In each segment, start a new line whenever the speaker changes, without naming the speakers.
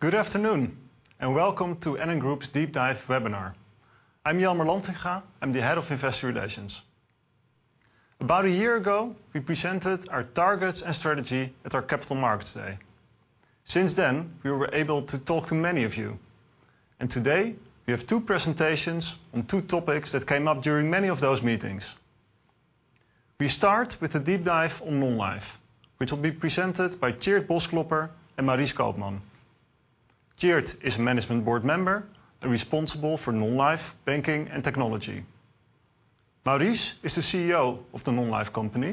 Good afternoon, welcome to NN Group's Deep Dive webinar. I'm Jelmer Lantinga. I'm the Head of Investor Relations. About a year ago, we presented our targets and strategy at our Capital Markets Day. Since then, we were able to talk to many of you. Today we have two presentations on two topics that came up during many of those meetings. We start with a deep dive on Non-life, which will be presented by Tjeerd Bosklopper and Maurice Koopman. Tjeerd is a Management Board Member and responsible for Non-life Banking and Technology. Maurice is the CEO of the Non-life Company,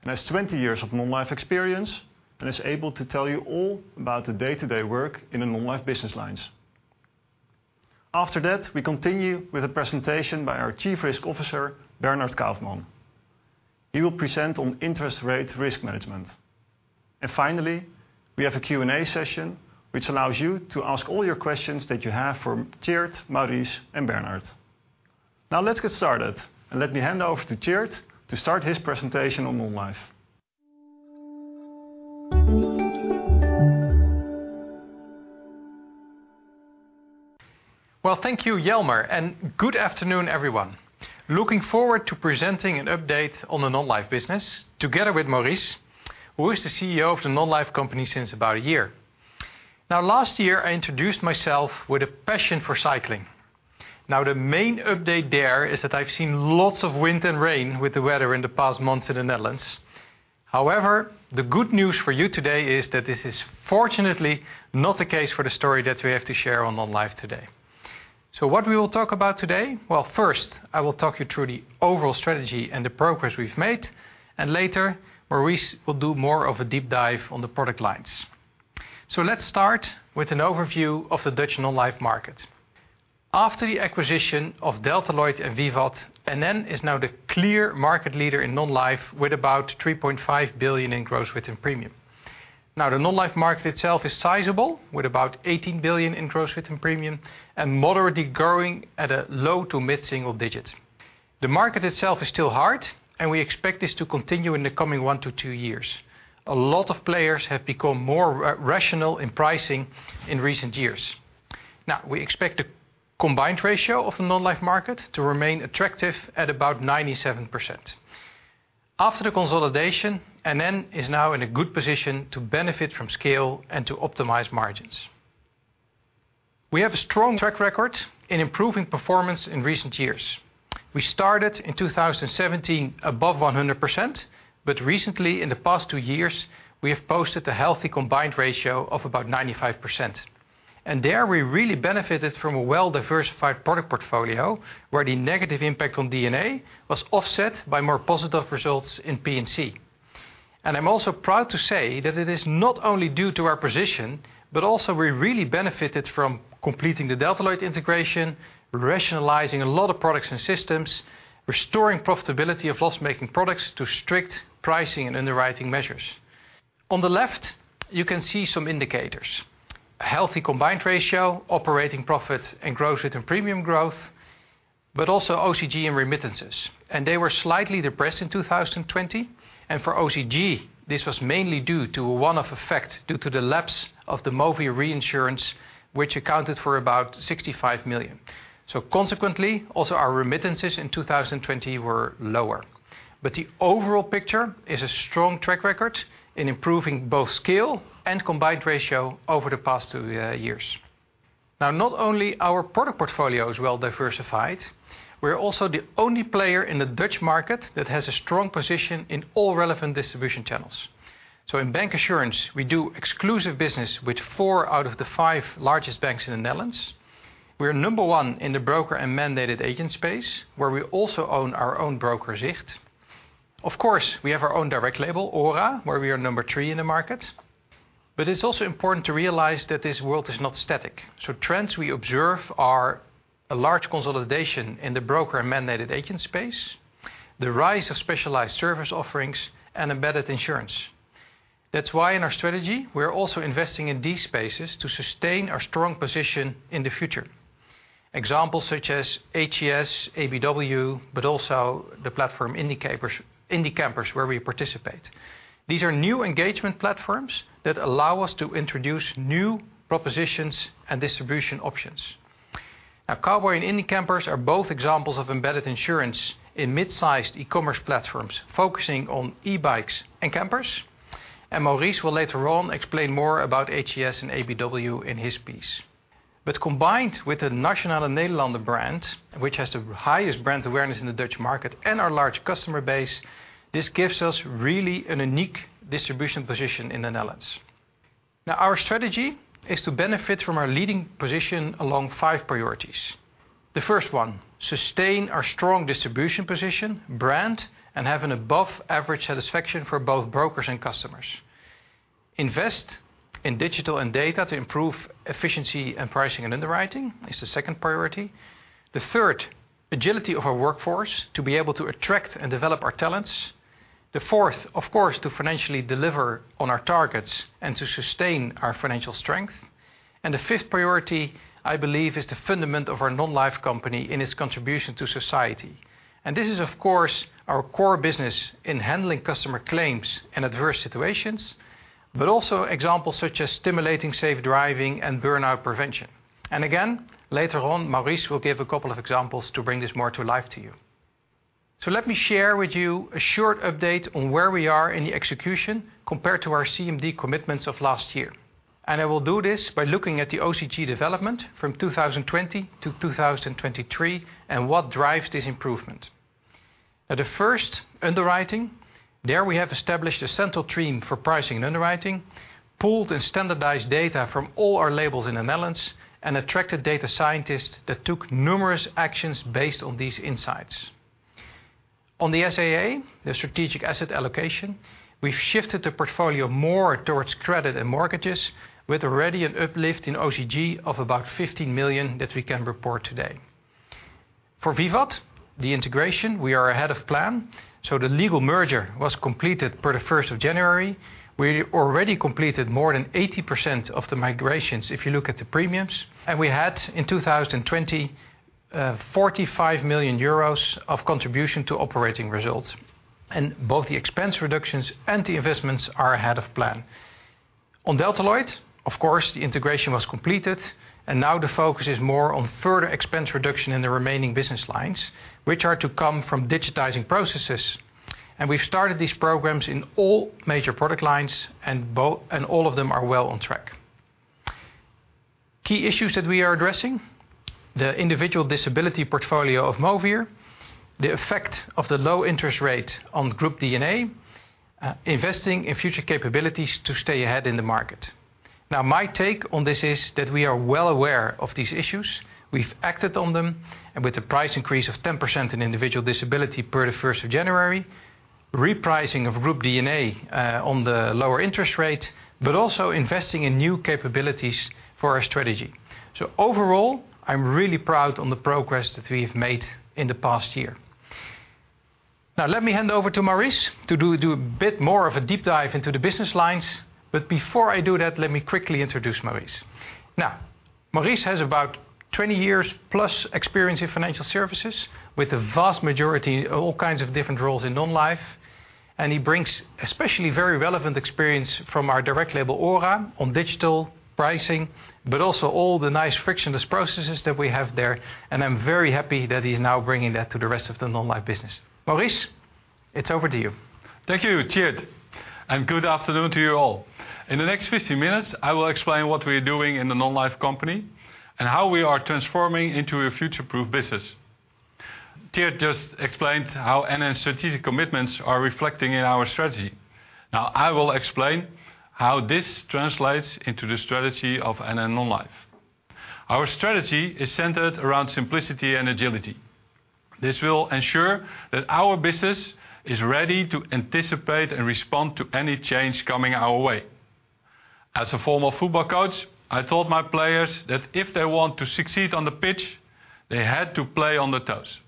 and has 20 years of Non-life experience and is able to tell you all about the day-to-day work in the Non-life business lines. After that, we continue with a presentation by our Chief Risk Officer, Bernhard Kaufmann. He will present on interest rate risk management. Finally, we have a Q&A session which allows you to ask all your questions that you have for Tjeerd, Maurice, and Bernhard. Let's get started, and let me hand over to Tjeerd to start his presentation on Non-life.
Well, thank you, Jelmer, and good afternoon, everyone. Looking forward to presenting an update on the Non-life business together with Maurice, who is the CEO of the Non-life Company since about a year. Last year, I introduced myself with a passion for cycling. The main update there is that I've seen lots of wind and rain with the weather in the past months in the Netherlands. However, the good news for you today is that this is fortunately not the case for the story that we have to share on Non-life today. What we will talk about today, first, I will talk you through the overall strategy and the progress we've made, and later, Maurice will do more of a deep dive on the product lines. Let's start with an overview of the Dutch Non-life market. After the acquisition of Delta Lloyd and Vivat, NN is now the clear market leader in Non-life, with about 3.5 billion in gross written premium. The Non-life market itself is sizable, with about 18 billion in gross written premium and moderately growing at a low to mid-single digit. The market itself is still hard, and we expect this to continue in the coming one to two years. A lot of players have become more rational in pricing in recent years. We expect the combined ratio of the Non-life market to remain attractive at about 97%. After the consolidation, NN is now in a good position to benefit from scale and to optimize margins. We have a strong track record in improving performance in recent years. We started in 2017 above 100%, but recently, in the past two years, we have posted a healthy combined ratio of about 95%. There, we really benefited from a well-diversified product portfolio, where the negative impact on D&A was offset by more positive results in P&C. I'm also proud to say that it is not only due to our position, but also we really benefited from completing the Delta Lloyd integration, rationalizing a lot of products and systems, restoring profitability of loss-making products to strict pricing and underwriting measures. On the left, you can see some indicators: a healthy combined ratio, operating profits, and gross written premium growth, but also OCG and remittances. They were slightly depressed in 2020. For OCG, this was mainly due to a one-off effect due to the lapse of the Movir reinsurance, which accounted for about 65 million. Consequently, also our remittances in 2020 were lower. The overall picture is a strong track record in improving both scale and combined ratio over the past two years. Not only our product portfolio is well diversified, we're also the only player in the Dutch market that has a strong position in all relevant distribution channels. In bancassurance, we do exclusive business with four out of the five largest banks in the Netherlands. We are number one in the broker and mandated agent space, where we also own our own broker, Zicht. Of course, we have our own direct label, OHRA, where we are number three in the market. It's also important to realize that this world is not static. Trends we observe are a large consolidation in the broker and mandated agent space, the rise of specialized service offerings, and embedded insurance. That's why, in our strategy, we are also investing in these spaces to sustain our strong position in the future. Examples such as HCS, ABW, but also the platform Indie Campers, where we participate. These are new engagement platforms that allow us to introduce new propositions and distribution options. Cowboy and Indie Campers are both examples of embedded insurance in mid-sized e-commerce platforms focusing on e-bikes and campers, and Maurice will later on explain more about HCS and ABW in his piece. Combined with the Nationale-Nederlanden brand, which has the highest brand awareness in the Dutch market, and our large customer base, this gives us really a unique distribution position in the Netherlands. Our strategy is to benefit from our leading position along five priorities. The first one, sustain our strong distribution position, brand, and have an above-average satisfaction for both brokers and customers. Invest in digital and data to improve efficiency and pricing and underwriting is the second priority. The third, agility of our workforce to be able to attract and develop our talents. The fourth, of course, to financially deliver on our targets and to sustain our financial strength. The fifth priority, I believe, is the fundament of our Non-life company and its contribution to society. This is, of course, our core business in handling customer claims in adverse situations, but also examples such as stimulating safe driving and burnout prevention. Again, later on, Maurice will give a couple of examples to bring this more to life to you. Let me share with you a short update on where we are in the execution compared to our CMD commitments of last year. I will do this by looking at the OCG development from 2020-2023 and what drives this improvement. The first, underwriting. There we have established a central team for pricing and underwriting, pooled and standardized data from all our labels in the Netherlands, and attracted data scientists that took numerous actions based on these insights. On the SAA, the Strategic Asset Allocation, we've shifted the portfolio more towards credit and mortgages, with already an uplift in OCG of about 15 million that we can report today. For Vivat, the integration, we are ahead of plan. The legal merger was completed per the 1st of January. We already completed more than 80% of the migrations, if you look at the premiums. We had, in 2020, 45 million euros of contribution to operating results. Both the expense reductions and the investments are ahead of plan. On Delta Lloyd, of course, the integration was completed, and now the focus is more on further expense reduction in the remaining business lines, which are to come from digitizing processes. We've started these programs in all major product lines, and all of them are well on track. Key issues that we are addressing: the individual disability portfolio of Movir, the effect of the low interest rate on group D&A, investing in future capabilities to stay ahead in the market. My take on this is that we are well aware of these issues. We've acted on them, and with the price increase of 10% in individual disability per the 1st of January, repricing of group D&A on the lower interest rate, but also investing in new capabilities for our strategy. Overall, I'm really proud on the progress that we have made in the past year. Let me hand over to Maurice to do a bit more of a deep dive into the business lines. Before I do that, let me quickly introduce Maurice. Maurice has about 20+ years’ experience in financial services, with a vast majority of all kinds of different roles in Non-life. He brings especially very relevant experience from our direct label, OHRA, on digital pricing, but also all the nice frictionless processes that we have there. I'm very happy that he's now bringing that to the rest of the Non-life business. Maurice, it's over to you.
Thank you, Tjeerd, and good afternoon to you all. In the next 15 minutes, I will explain what we're doing in the Non-life company and how we are transforming into a future-proof business. Tjeerd just explained how NN's strategic commitments are reflecting in our strategy. Now I will explain how this translates into the strategy of NN Non-life. Our strategy is centered around simplicity and agility. This will ensure that our business is ready to anticipate and respond to any change coming our way. As a former football coach, I told my players that if they want to succeed on the pitch, they had to play on the toes.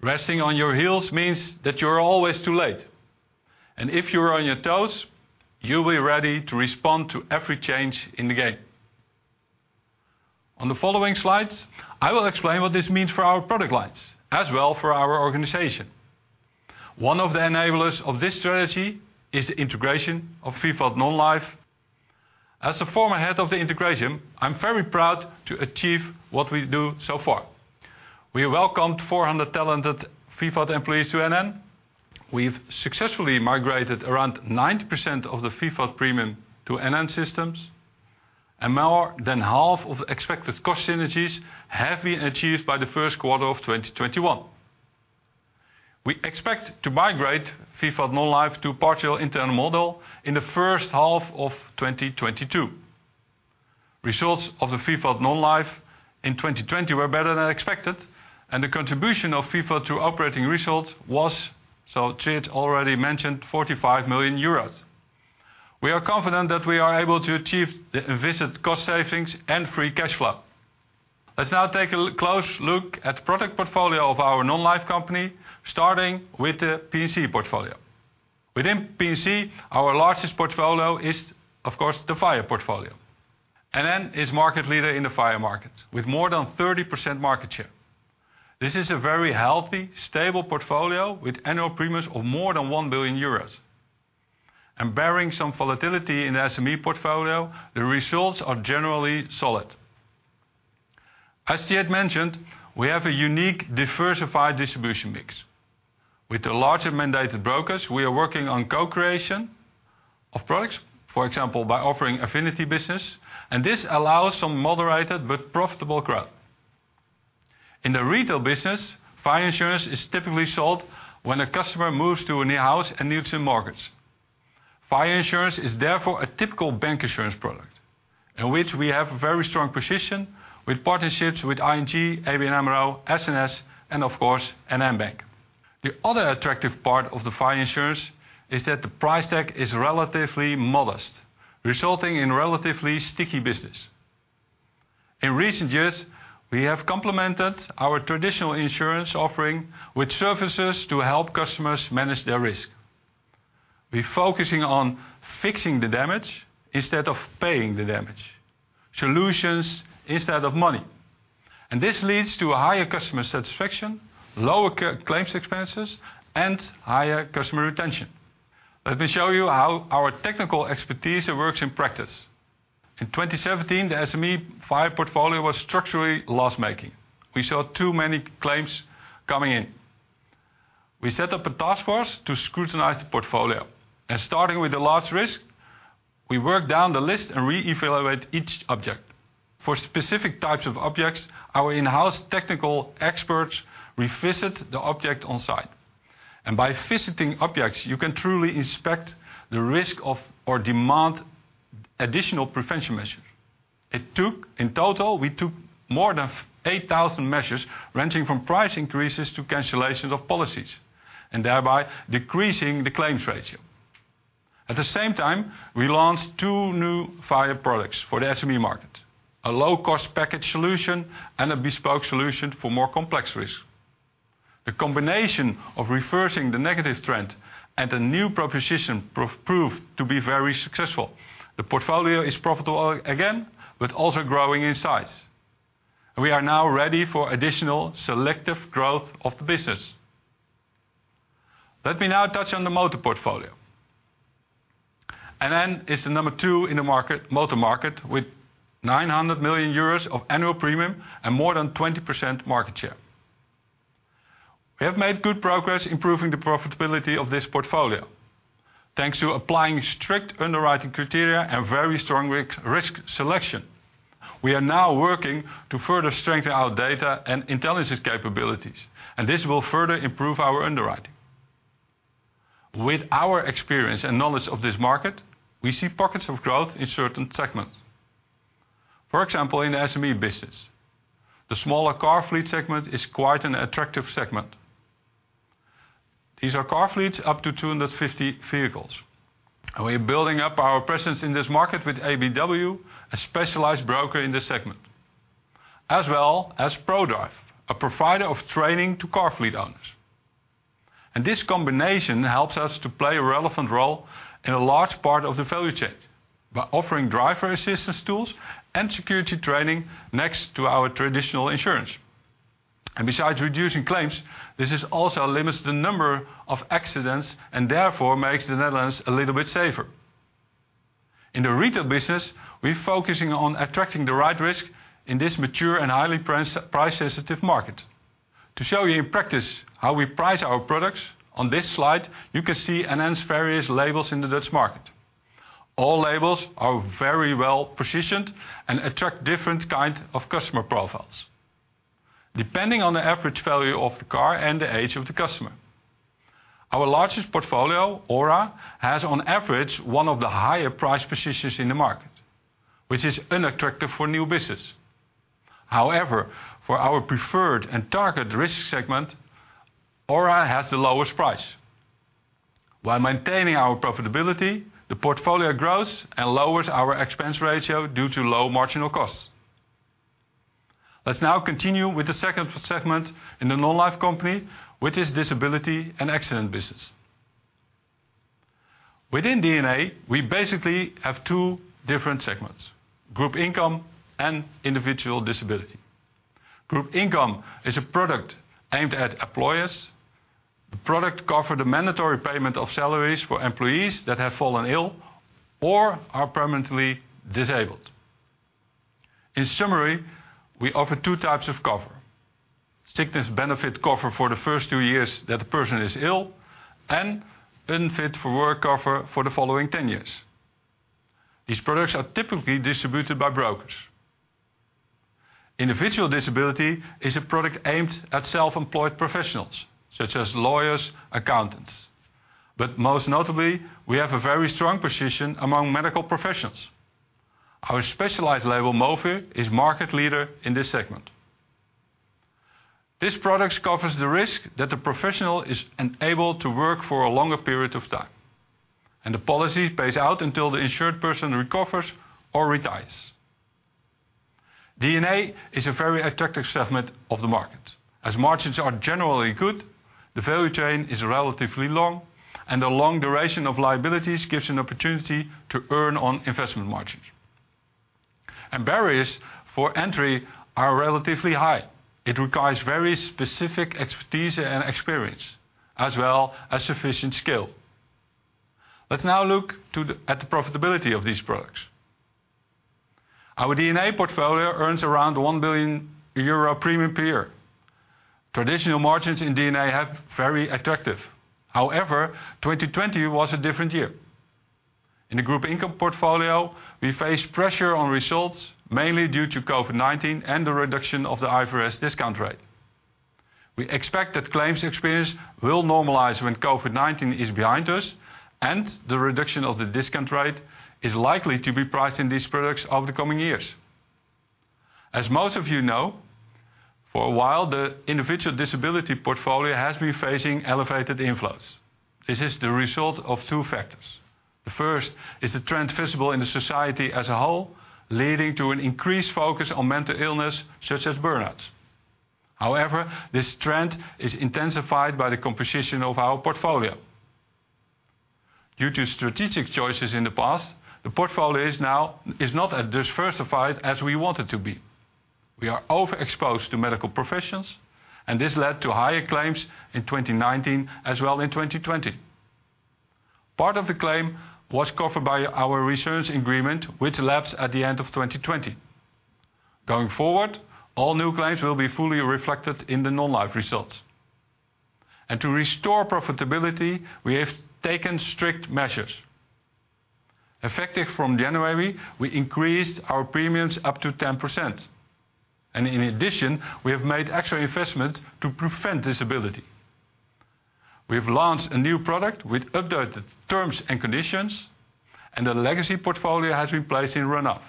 Resting on your heels means that you're always too late, and if you're on your toes, you'll be ready to respond to every change in the game. On the following slides, I will explain what this means for our product lines as well, for our organization. One of the enablers of this strategy is the integration of Vivat Non-life. As a former Head of the Integration, I'm very proud to achieve what we do so far. We welcomed 400 talented Vivat employees to NN. We've successfully migrated around 90% of the Vivat premium to NN systems, and more than half of the expected cost synergies have been achieved by the first quarter of 2021. We expect to migrate Vivat Non-life to a Partial Internal Model in the first half of 2022. Results of the Vivat Non-life in 2020 were better than expected, and the contribution of Vivat to operating results was, so Tjeerd already mentioned, 45 million euros. We are confident that we are able to achieve the envisaged cost savings and free cash flow. Let's now take a close look at product portfolio of our Non-life company, starting with the P&C portfolio. Within P&C, our largest portfolio is, of course, the fire portfolio. NN is market leader in the fire markets with more than 30% market share. This is a very healthy, stable portfolio with annual premiums of more than 1 billion euros. Bearing some volatility in SME portfolio, the results are generally solid. As Tjeerd mentioned, we have a unique, diversified distribution mix. With the larger mandated brokers, we are working on co-creation of products, for example, by offering affinity business, and this allows some moderated but profitable growth. In the retail business, fire insurance is typically sold when a customer moves to a new house and lives in markets. Fire insurance is therefore a typical bank insurance product in which we have a very strong position with partnerships with ING, ABN AMRO, SNS, and of course, NN Bank. The other attractive part of the fire insurance is that the price tag is relatively modest, resulting in relatively sticky business. In recent years, we have complemented our traditional insurance offering with services to help customers manage their risk. We're focusing on fixing the damage instead of paying the damage. Solutions instead of money. This leads to a higher customer satisfaction, lower claims expenses, and higher customer retention. Let me show you how our technical expertise works in practice. In 2017, the SME fire portfolio was structurally loss-making. We saw too many claims coming in. We set up a task force to scrutinize the portfolio, starting with the last risk, we worked down the list and re-evaluated each object. For specific types of objects, our in-house technical experts revisit the object on-site. By visiting objects, you can truly inspect the risk of or demand additional prevention measures. In total, we took more than 8,000 measures, ranging from price increases to cancellations of policies, thereby decreasing the claims ratio. At the same time, we launched two new fire products for the SME market: a low-cost package solution and a bespoke solution for more complex risk. The combination of reversing the negative trend and the new proposition proved to be very successful. The portfolio is profitable again, also growing in size. We are now ready for additional selective growth of the business. Let me now touch on the motor portfolio. NN is the number two in the motor market, with 900 million euros of annual premium and more than 20% market share. We have made good progress improving the profitability of this portfolio. Thanks to applying strict underwriting criteria and very strong risk selection. We are now working to further strengthen our data and intelligence capabilities, and this will further improve our underwriting. With our experience and knowledge of this market, we see pockets of growth in certain segments. For example, in the SME business. The smaller car fleet segment is quite an attractive segment. These are car fleets up to 250 vehicles. We're building up our presence in this market with ABW, a specialized broker in the segment, as well as Prodrive, a provider of training to car fleet owners. This combination helps us to play a relevant role in a large part of the value chain by offering driver assistance tools and security training next to our traditional insurance. Besides reducing claims, this also limits the number of accidents and therefore makes the Netherlands a little bit safer. In the retail business, we're focusing on attracting the right risk in this mature and highly price-sensitive market. To show you in practice how we price our products, on this slide, you can see NN's various labels in the Dutch market. All labels are very well positioned and attract different kinds of customer profiles, depending on the average value of the car and the age of the customer. Our largest portfolio, OHRA, has, on average, one of the higher price positions in the market, which is unattractive for new business. However, for our preferred and target risk segment, OHRA has the lowest price. While maintaining our profitability, the portfolio grows and lowers our expense ratio due to low marginal costs. Let's now continue with the second segment in the Non-life, which is disability and accident business. Within D&A, we basically have two different segments: group income and individual disability. Group income is a product aimed at employers. The product covers the mandatory payment of salaries for employees that have fallen ill or are permanently disabled. In summary, we offer two types of cover: sickness benefit cover for the first two years that a person is ill, and benefit for work cover for the following 10 years. These products are typically distributed by brokers. Individual disability is a product aimed at self-employed professionals such as lawyers, accountants. Most notably, we have a very strong position among medical professionals. Our specialized label, Movir, is market leader in this segment. This product covers the risk that the professional is unable to work for a longer period of time, and the policy pays out until the insured person recovers or retires. D&A is a very attractive segment of the market, as margins are generally good, the value chain is relatively long. A long duration of liabilities gives an opportunity to earn on investment margins. Barriers for entry are relatively high. It requires very specific expertise and experience, as well as sufficient skill. Let's now look at the profitability of these products. Our D&A portfolio earns around 1 billion euro premium per year. Traditional margins in D&A have very attractive. However, 2020 was a different year. In the group income portfolio, we faced pressure on results, mainly due to COVID-19 and the reduction of the IFRS discount rate. We expect that claims experience will normalize when COVID-19 is behind us, and the reduction of the discount rate is likely to be priced in these products over the coming years. As most of you know. For a while, the individual disability portfolio has been facing elevated inflows. This is the result of two factors. The first is the trend visible in the society as a whole, leading to an increased focus on mental illness such as burnouts. However, this trend is intensified by the composition of our portfolio. Due to strategic choices in the past, the portfolio is not as diversified as we want it to be. We are overexposed to medical professionals, and this led to higher claims in 2019 as well in 2020. Part of the claim was covered by our insurance agreement, which lapsed at the end of 2020. Going forward, all new claims will be fully reflected in the Non-life results. To restore profitability, we have taken strict measures. Effective from January, we increased our premiums up to 10%. In addition, we have made extra investments to prevent disability. We've launched a new product with updated terms and conditions, and the legacy portfolio has been placed in run-off.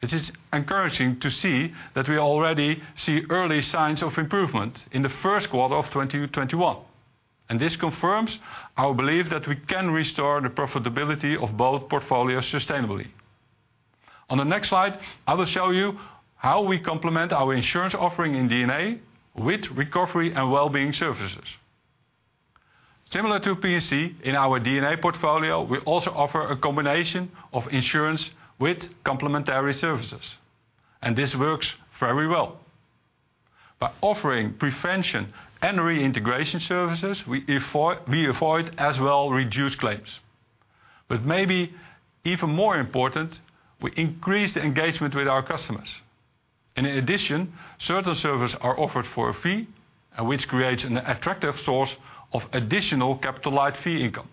It is encouraging to see that we already see early signs of improvement in the first quarter of 2021. This confirms our belief that we can restore the profitability of both portfolios sustainably. On the next slide, I will show you how we complement our insurance offering in D&A with recovery and well-being services. Similar to P&C, in our D&A portfolio, we also offer a combination of insurance with complementary services. This works very well. By offering prevention and reintegration services, we avoid as well reduced claims. Maybe even more important, we increase the engagement with our customers. In addition, certain services are offered for a fee, and which creates an attractive source of additional capitalized fee income.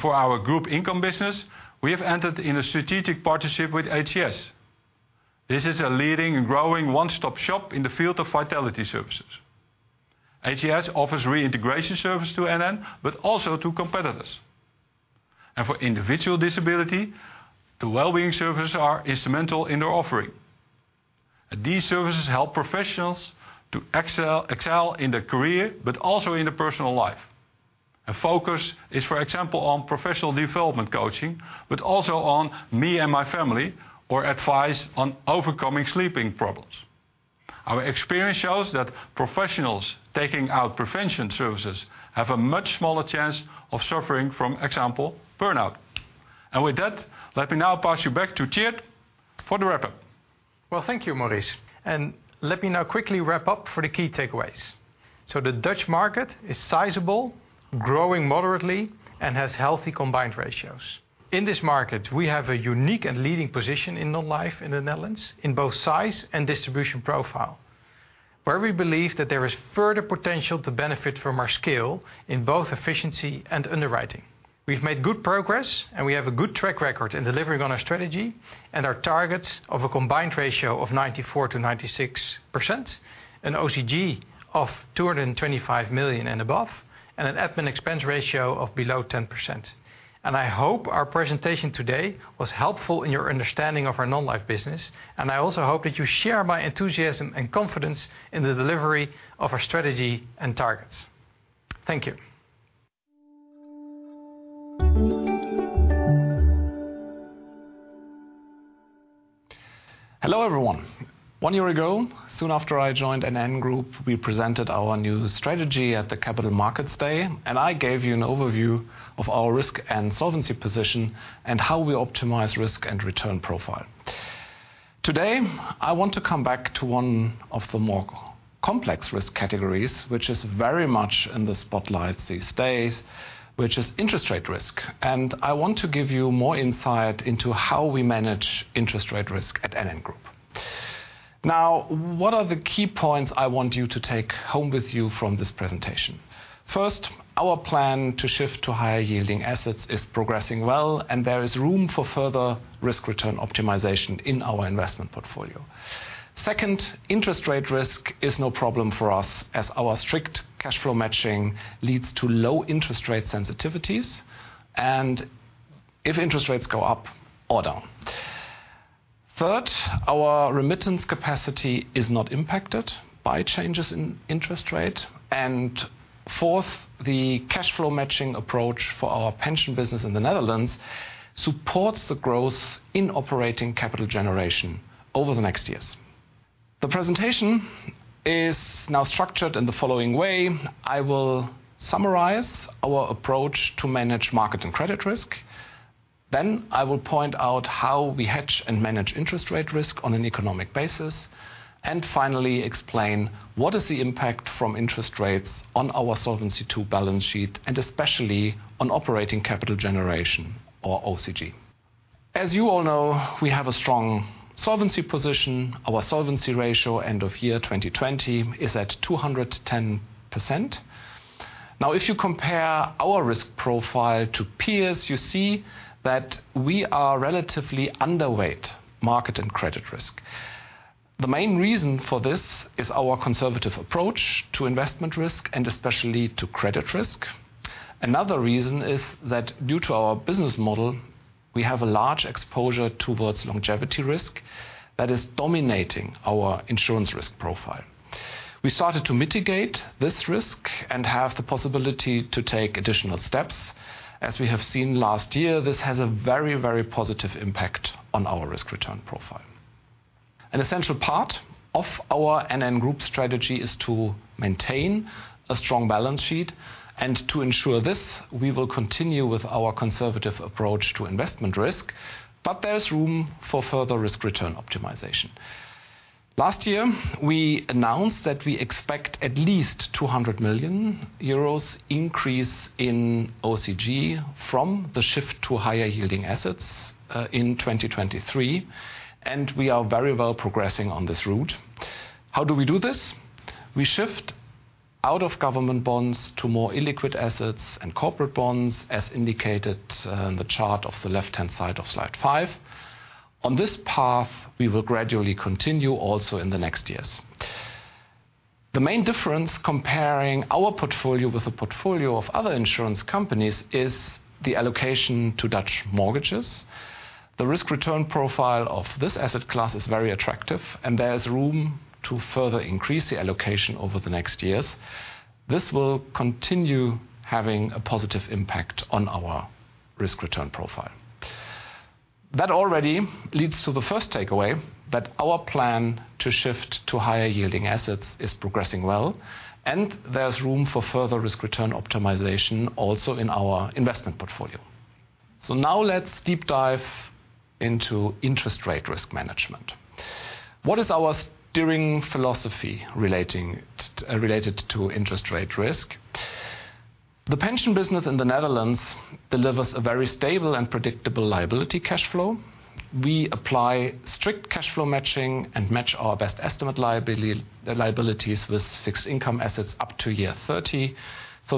For our group income business, we have entered in a strategic partnership with ATS. This is a leading and growing one-stop shop in the field of vitality services. ATS offers reintegration services to NN, but also to competitors. For individual disability, the well-being services are instrumental in their offering. These services help professionals to excel in their career, but also in their personal life. The focus is, for example, on professional development coaching, but also on me and my family, or advice on overcoming sleeping problems. Our experience shows that professionals taking out prevention services have a much smaller chance of suffering from, example, burnout. With that, let me now pass you back to Tjeerd for the wrap-up.
Well, thank you, Maurice. Let me now quickly wrap up for the key takeaways. The Dutch market is sizable, growing moderately, and has healthy combined ratios. In this market, we have a unique and leading position in Non-life in the Netherlands in both size and distribution profile, where we believe that there is further potential to benefit from our scale in both efficiency and underwriting. We've made good progress, and we have a good track record in delivering on our strategy and our targets of a combined ratio of 94%-96%, an OCG of 225 million and above, and an admin expense ratio of below 10%. I hope our presentation today was helpful in your understanding of our Non-life business, and I also hope that you share my enthusiasm and confidence in the delivery of our strategy and targets. Thank you.
Hello, everyone. One year ago, soon after I joined NN Group, we presented our new strategy at the Capital Markets Day, and I gave you an overview of our risk and solvency position and how we optimize risk and return profile. Today, I want to come back to one of the more complex risk categories, which is very much in the spotlight these days, which is interest rate risk. I want to give you more insight into how we manage interest rate risk at NN Group. What are the key points I want you to take home with you from this presentation? First, our plan to shift to higher-yielding assets is progressing well, and there is room for further risk-return optimization in our investment portfolio. Second, interest rate risk is no problem for us as our strict cash flow matching leads to low interest rate sensitivities and if interest rates go up or down. Third, our remittance capacity is not impacted by changes in interest rate. Fourth, the cash flow matching approach for our pension business in the Netherlands supports the growth in Operating Capital Generation over the next years. The presentation is now structured in the following way. I will summarize our approach to manage market and credit risk. I will point out how we hedge and manage interest rate risk on an economic basis, and finally explain what is the impact from interest rates on our Solvency II balance sheet, and especially on Operating Capital Generation or OCG. As you all know, we have a strong solvency position. Our solvency ratio end of year 2020 is at 210%. If you compare our risk profile to peers, you see that we are relatively underweight market and credit risk. The main reason for this is our conservative approach to investment risk and especially to credit risk. Another reason is that due to our business model, we have a large exposure towards longevity risk that is dominating our insurance risk profile. We started to mitigate this risk and have the possibility to take additional steps. As we have seen last year, this has a very positive impact on our risk-return profile. An essential part of our NN Group strategy is to maintain a strong balance sheet. To ensure this, we will continue with our conservative approach to investment risk, but there's room for further risk-return optimization. Last year, we announced that we expect at least 200 million euros increase in OCG from the shift to higher-yielding assets in 2023, and we are very well progressing on this route. How do we do this? We shift out of government bonds to more illiquid assets and corporate bonds, as indicated in the chart of the left-hand side of slide five. On this path, we will gradually continue also in the next years. The main difference comparing our portfolio with the portfolio of other insurance companies is the allocation to Dutch mortgages. The risk-return profile of this asset class is very attractive, and there is room to further increase the allocation over the next years. This will continue having a positive impact on our risk-return profile. That already leads to the first takeaway, that our plan to shift to higher-yielding assets is progressing well, and there's room for further risk-return optimization also in our investment portfolio. Now let's deep dive into interest rate risk management. What is our steering philosophy related to interest rate risk? The pension business in the Netherlands delivers a very stable and predictable liability cash flow. We apply strict cash flow matching and match our Best Estimate Liabilities with fixed income assets up to year 30.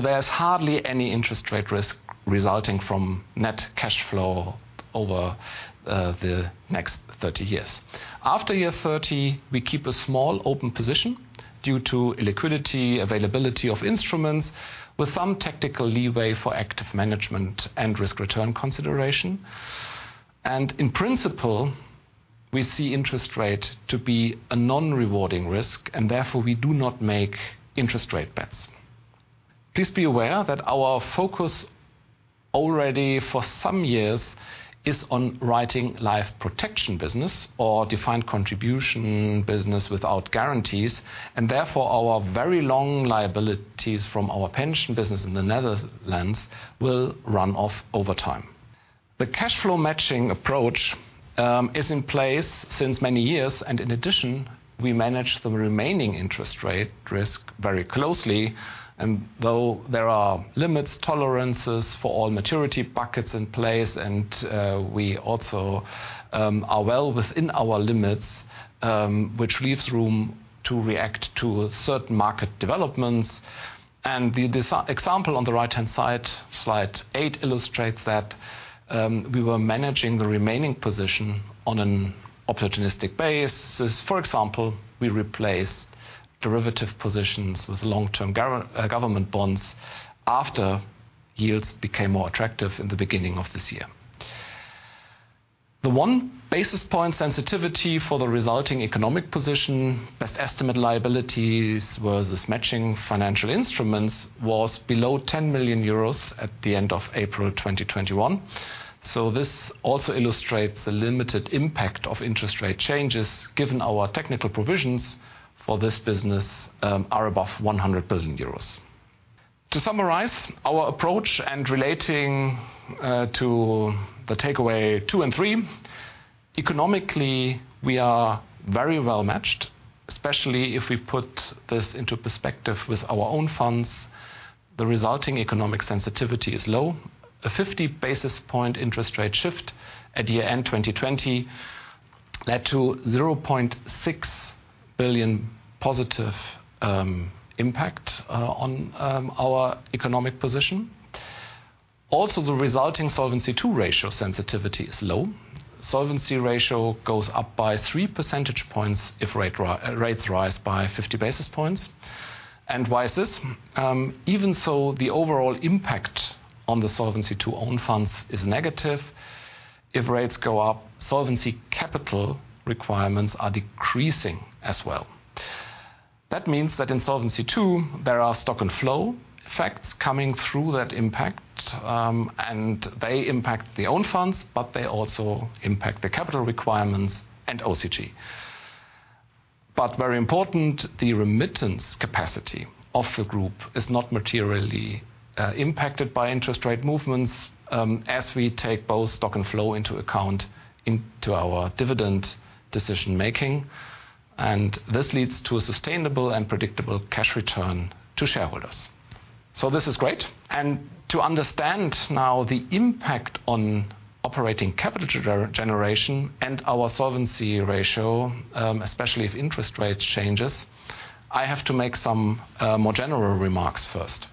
There's hardly any interest rate risk resulting from net cash flow over the next 30 years. After year 30, we keep a small open position due to liquidity availability of instruments with some tactical leeway for active management and risk-return consideration. In principle, we see interest rate to be a non-rewarding risk, and therefore we do not make interest rate bets. Please be aware that our focus already for some years is on writing life protection business or defined contribution business without guarantees, and therefore our very long liabilities from our pension business in the Netherlands will run off over time. The cash flow matching approach is in place since many years, in addition, we manage the remaining interest rate risk very closely. Though there are limits tolerances for all maturity buckets in place, we also are well within our limits, which leaves room to react to certain market developments. The example on the right-hand side, slide eight, illustrates that we were managing the remaining position on an opportunistic basis. For example, we replaced derivative positions with long-term government bonds after yields became more attractive in the beginning of this year. The 1 basis point sensitivity for the resulting economic position, Best Estimate Liabilities versus matching financial instruments, was below 10 million euros at the end of April 2021. This also illustrates the limited impact of interest rate changes, given our technical provisions for this business are above 100 billion euros. To summarize our approach and relating to the takeaway two and three, economically, we are very well matched, especially if we put this into perspective with our own funds. The resulting economic sensitivity is low. A 50 basis point interest rate shift at year-end 2020 led to 0.6 billion positive impact on our economic position. Also, the resulting Solvency II ratio sensitivity is low. Solvency ratio goes up by 3 percentage points if rates rise by 50 basis points. Why is this? Even so, the overall impact on the Solvency II own funds is negative. If rates go up, Solvency Capital Requirements are decreasing as well. That means that in Solvency II, there are stock and flow effects coming through that impact, and they impact the own funds, but they also impact the Solvency Capital Requirements and OCG. Very important, the remittance capacity of the group is not materially impacted by interest rate movements as we take both stock and flow into account into our dividend decision-making. This leads to a sustainable and predictable cash return to shareholders. This is great. To understand now the impact on Operating Capital Generation and our solvency ratio, especially if interest rates changes, I have to make some more general remarks first.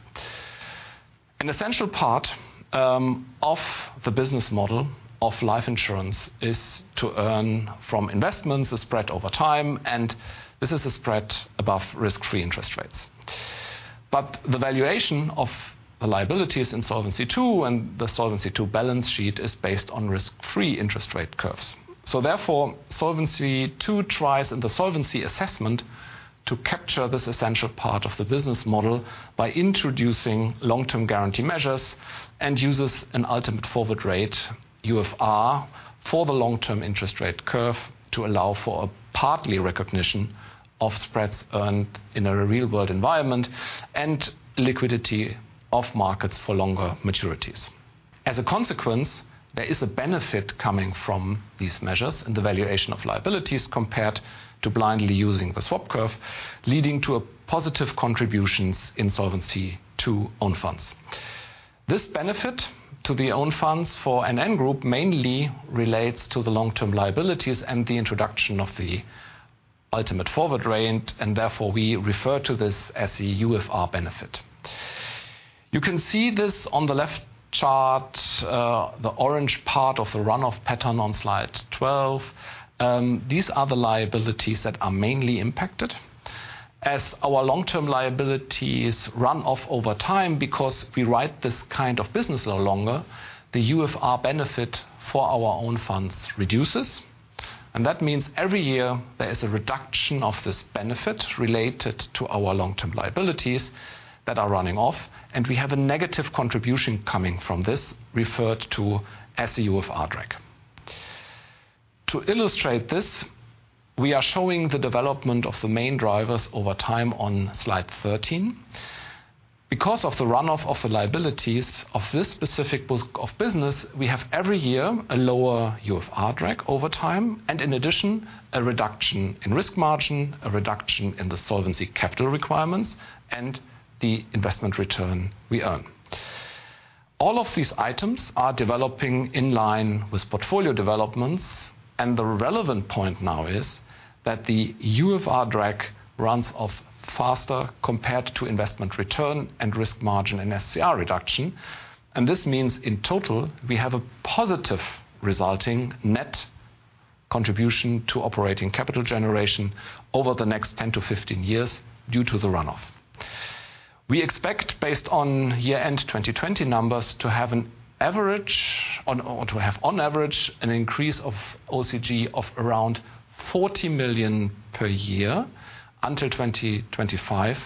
An essential part of the business model of life insurance is to earn from investments that spread over time, and this is a spread above risk-free interest rates. The valuation of the liabilities in Solvency II and the Solvency II balance sheet is based on risk-free interest rate curves. Solvency II tries in the solvency assessment to capture this essential part of the business model by introducing long-term guarantee measures and uses an ultimate forward rate, UFR, for the long-term interest rate curve to allow for a partly recognition of spreads earned in a real-world environment and liquidity of markets for longer maturities. As a consequence, there is a benefit coming from these measures in the valuation of liabilities compared to blindly using the swap curve, leading to positive contributions in Solvency II own funds. This benefit to the own funds for NN Group mainly relates to the long-term liabilities and the introduction of the Ultimate Forward Rate, and therefore we refer to this as the UFR benefit. You can see this on the left chart, the orange part of the run-off pattern on slide 12. These are the liabilities that are mainly impacted, as our long-term liabilities run off over time because we write this kind of business no longer, the UFR benefit for our own funds reduces. That means every year there is a reduction of this benefit related to our long-term liabilities that are running off, and we have a negative contribution coming from this, referred to as the UFR drag. To illustrate this, we are showing the development of the main drivers over time on slide 13. Because of the run-off of the liabilities of this specific book of business, we have every year a lower UFR drag over time and in addition, a reduction in risk margin, a reduction in the Solvency Capital Requirements, and the investment return we earn. All of these items are developing in line with portfolio developments, the relevant point now is that the UFR drag runs off faster compared to investment return and risk margin and SCR reduction. This means, in total, we have a positive resulting net contribution to Operating Capital Generation over the next 10-15 years due to the run-off. We expect based on year-end 2020 numbers to have on average an increase of OCG of around 40 million per year until 2025,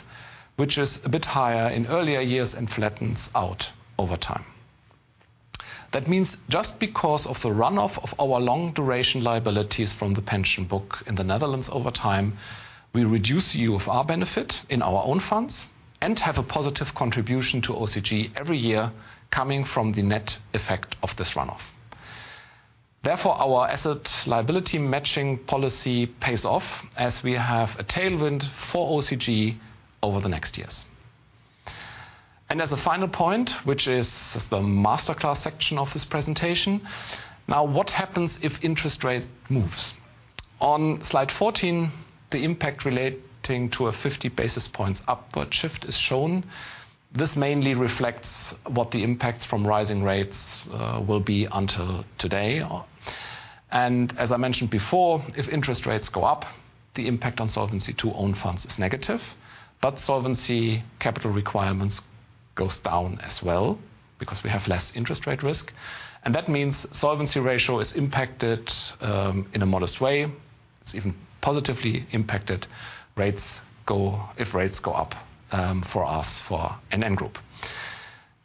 which is a bit higher in earlier years and flattens out over time. That means just because of the run-off of our long-duration liabilities from the pension book in the Netherlands over time, we reduce the UFR benefit in our own funds and have a positive contribution to OCG every year coming from the net effect of this run-off. Therefore, our asset liability matching policy pays off as we have a tailwind for OCG over the next years. As a final point, which is the masterclass section of this presentation, what happens if interest rate moves? On slide 14, the impact relating to a 50 basis points upward shift is shown. This mainly reflects what the impact from rising rates will be until today. As I mentioned before, if interest rates go up, the impact on Solvency II own funds is negative, but Solvency Capital Requirements goes down as well because we have less interest rate risk, and that means solvency ratio is impacted in a modest way. It's even positively impacted if rates go up for us for NN Group.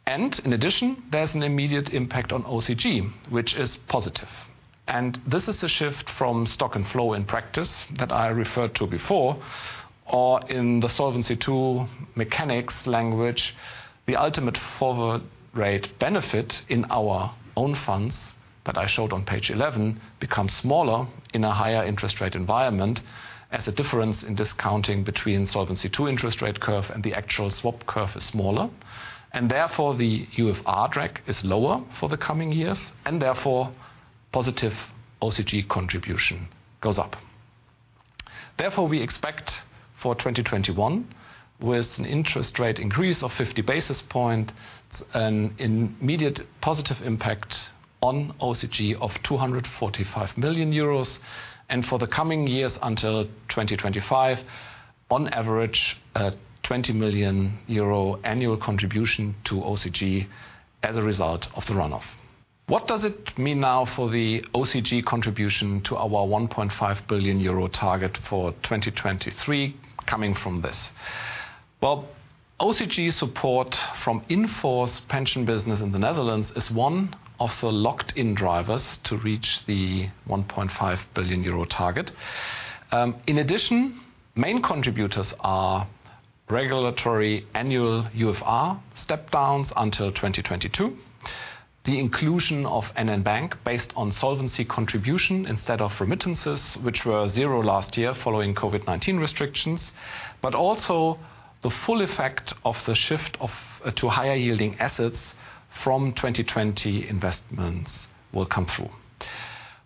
In addition, there's an immediate impact on OCG, which is positive. This is a shift from stock and flow in practice that I referred to before, or in the Solvency II mechanics language, the ultimate forward rate benefit in our own funds that I showed on page 11 becomes smaller in a higher interest rate environment as the difference in discounting between Solvency II interest rate curve and the actual swap curve is smaller. Therefore, the UFR drag is lower for the coming years and therefore positive OCG contribution goes up. Therefore, we expect for 2021, with an interest rate increase of 50 basis points, an immediate positive impact on OCG of 245 million euros and for the coming years until 2025, on average a 20 million euro annual contribution to OCG as a result of the run-off. What does it mean now for the OCG contribution to our 1.5 billion euro target for 2023 coming from this? Well, OCG support from in-force pension business in the Netherlands is one of the locked-in drivers to reach the 1.5 billion euro target. In addition, main contributors are regulatory annual UFR step-downs until 2022. The inclusion of NN Bank based on solvency contribution instead of remittances, which were last year following COVID-19 restrictions, but also the full effect of the shift to higher-yielding assets from 2020 investments will come through.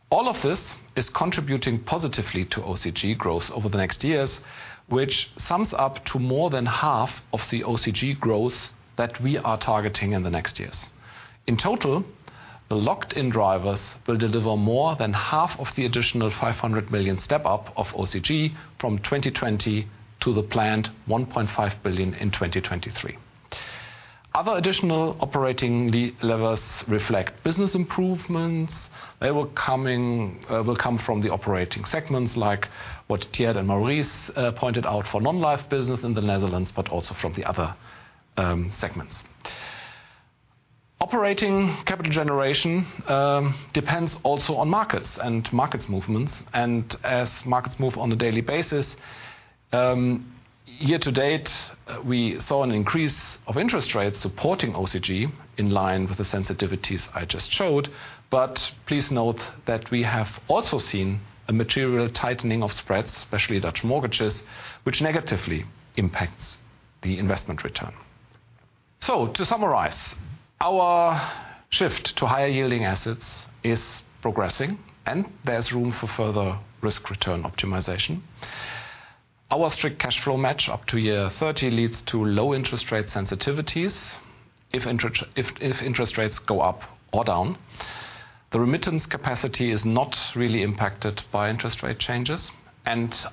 All of this is contributing positively to OCG growth over the next years, which sums up to more than half of the OCG growth that we are targeting in the next years. The locked-in drivers will deliver more than half of the additional 500 million step-up of OCG from 2020 to the planned 1.5 billion in 2023. Other additional operating levers reflect business improvements. They will come from the operating segments, like what Tjeerd and Maurice pointed out for Non-life business, but also from the other segments. Operating Capital Generation depends also on markets and markets movements, and as markets move on a daily basis. Year-to-date, we saw an increase of interest rates supporting OCG in line with the sensitivities I just showed. Please note that we have also seen a material tightening of spreads, especially Dutch mortgages, which negatively impacts the investment return. To summarize, our shift to higher-yielding assets is progressing, and there's room for further risk-return optimization. Our strict cash flow match up to year 30 leads to low interest rate sensitivities if interest rates go up or down. The remittance capacity is not really impacted by interest rate changes.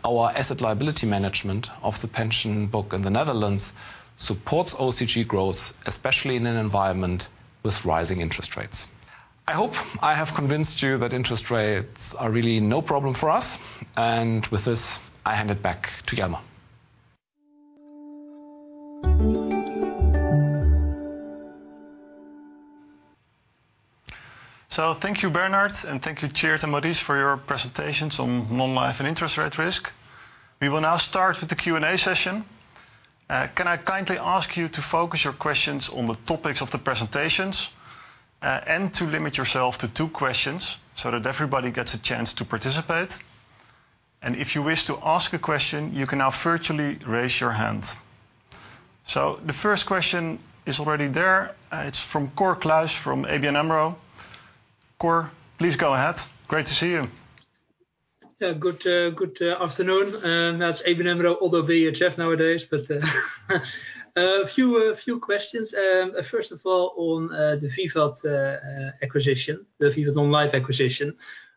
Our asset liability management of the pension book in the Netherlands supports OCG growth, especially in an environment with rising interest rates. I hope I have convinced you that interest rates are really no problem for us. With this, I hand it back to Jelmer.
Thank you, Bernhard, and thank you, Tjeerd and Maurice, for your presentations on Non-life and interest rate risk. We will now start with the Q&A session. Can I kindly ask you to focus your questions on the topics of the presentations and to limit yourself to two questions, so that everybody gets a chance to participate? If you wish to ask a question, you can now virtually raise your hand. The first question is already there. It's from Cor Kluis from ABN AMRO. Cor, please go ahead. Great to see you.
Yeah. Good afternoon. That's ABN AMRO, ODDO BHF nowadays. A few questions. First of all, on the Vivat acquisition, the Vivat Non-life acquisition.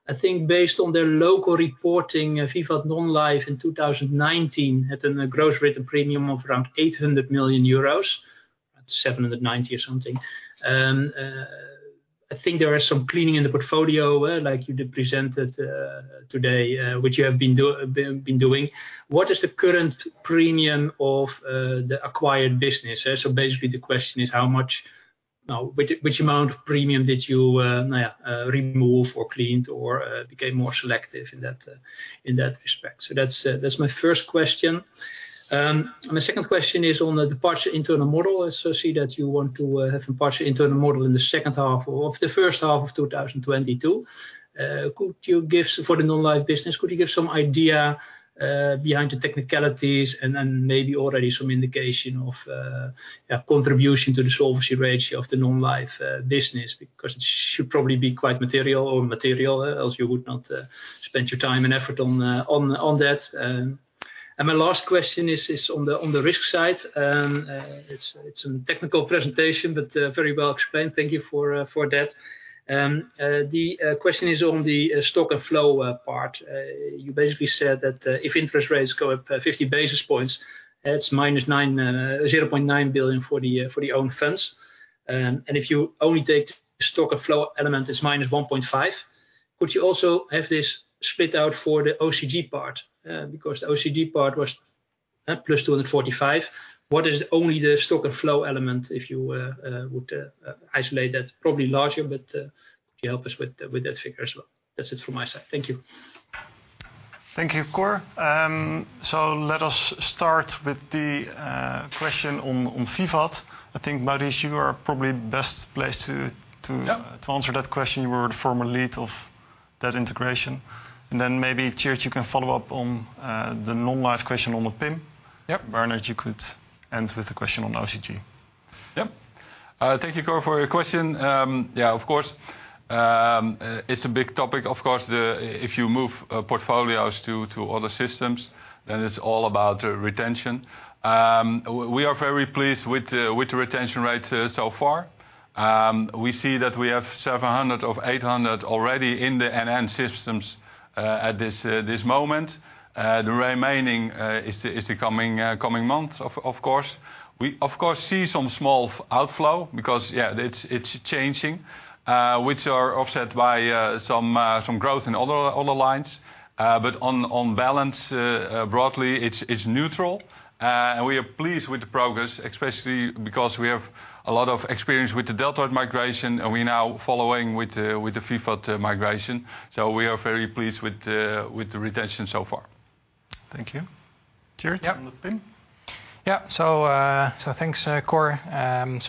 I think, based on their local reporting, Vivat Non-life in 2019 had a gross written premium of around 800 million euros, 790 million or something. I think there are some cleaning in the portfolio, like you presented today, which you have been doing. What is the current premium of the acquired business? Basically, the question is how much, which amount of premium did you remove or clean or become more selective in that respect? That's my first question. My second question is on the Partial Internal Model. I see that you want to have a Partial Internal Model in the second half of the first half of 2022. For the Non-life business, could you give some idea behind the technicalities then maybe already some indication of contribution to the solvency ratio of the Non-life business? It should probably be quite material or material, else you would not spend your time and effort on that. My last question is on the risk side. It's a technical presentation, very well explained. Thank you for that. The question is on the stock and flow part. You basically said that if interest rates go up 50 basis points, it's -0.9 billion for the own funds. If you only take stock and flow element, it's -1.5 billion. Would you also have this split out for the OCG part? The OCG part was +245 million. What is only the stock and flow element if you would isolate that? Probably larger, but can you help us with that figure as well? That's it from my side. Thank you.
Thank you, Cor. Let us start with the question on Vivat. I think, Maurice, you are probably best placed-
Yeah.
To answer that question. You were the former Lead of that integration. Maybe, Tjeerd, you can follow up on the Non-life question on the PIM.
Yeah.
Bernhard, you could end with the question on OCG.
Yeah. Thank you, Cor, for your question. Yeah, of course. It's a big topic. Of course, if you move portfolios to other systems, it's all about retention. We are very pleased with the retention rates so far. We see that we have 700-800 already in the NN systems at this moment. The remaining is the coming months, of course. We, of course, see some small outflow because it's changing, which are offset by some growth in other lines. On balance, broadly, it's neutral. We are pleased with the progress, especially because we have a lot of experience with the Delta Lloyd migration, and we're now following with the Vivat migration. We are very pleased with the retention so far.
Thank you. Tjeerd, on the PIM.
Yeah. Thanks, Cor.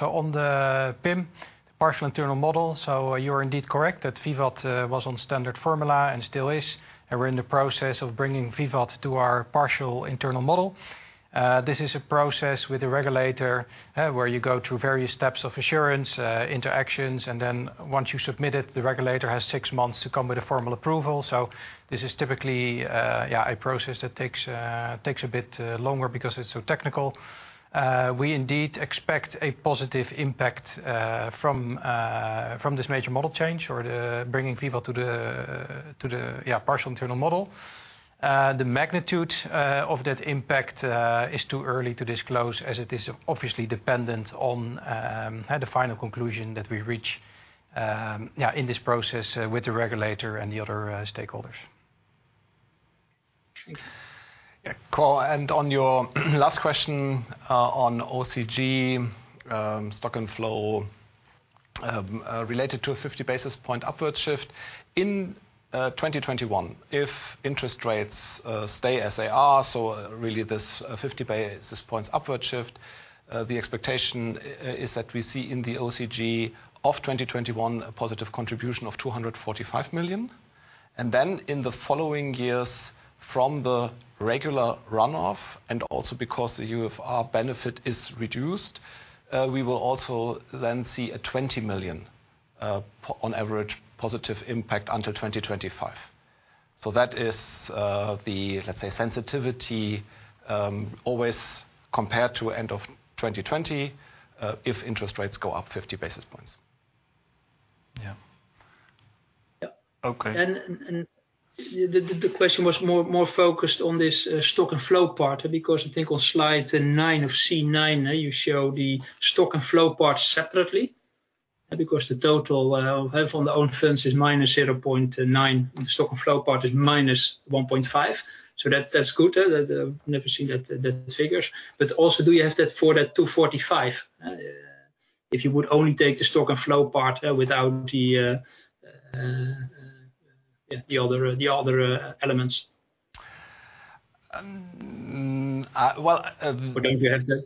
On the PIM, Partial Internal Model. You're indeed correct that Vivat was on standard formula and still is. We're in the process of bringing Vivat to our Partial Internal Model. This is a process with the regulator where you go through various steps of assurance, interactions, and then once you submit it, the regulator has six months to come with a formal approval. This is typically a process that takes a bit longer because it's so technical. We indeed expect a positive impact from this major model change or bringing people to the Partial Internal Model. The magnitude of that impact is too early to disclose, as it is obviously dependent on the final conclusion that we reach in this process with the regulator and the other stakeholders.
Yeah. Cor, on your last question on OCG, stock and flow, related to a 50 basis point upward shift in 2021. If interest rates stay as they are, so really this 50 basis points upward shift, the expectation is that we see in the OCG of 2021 a positive contribution of 245 million. In the following years, from the regular runoff, and also because the UFR benefit is reduced, we will also then see a 20 million on average positive impact until 2025. That is the, let's say, sensitivity always compared to end of 2020 if interest rates go up 50 basis points.
Yeah.
Okay.
The question was more focused on this stock and flow part, because I think on slide nine of C9, you show the stock and flow parts separately. The total we have on the own funds is -0.9, and stock and flow part is -1.5. That's good. Never seen that figures. Also, do you have that for that 245 if you would only take the stock and flow part without the other elements?
Well-
Do you have that?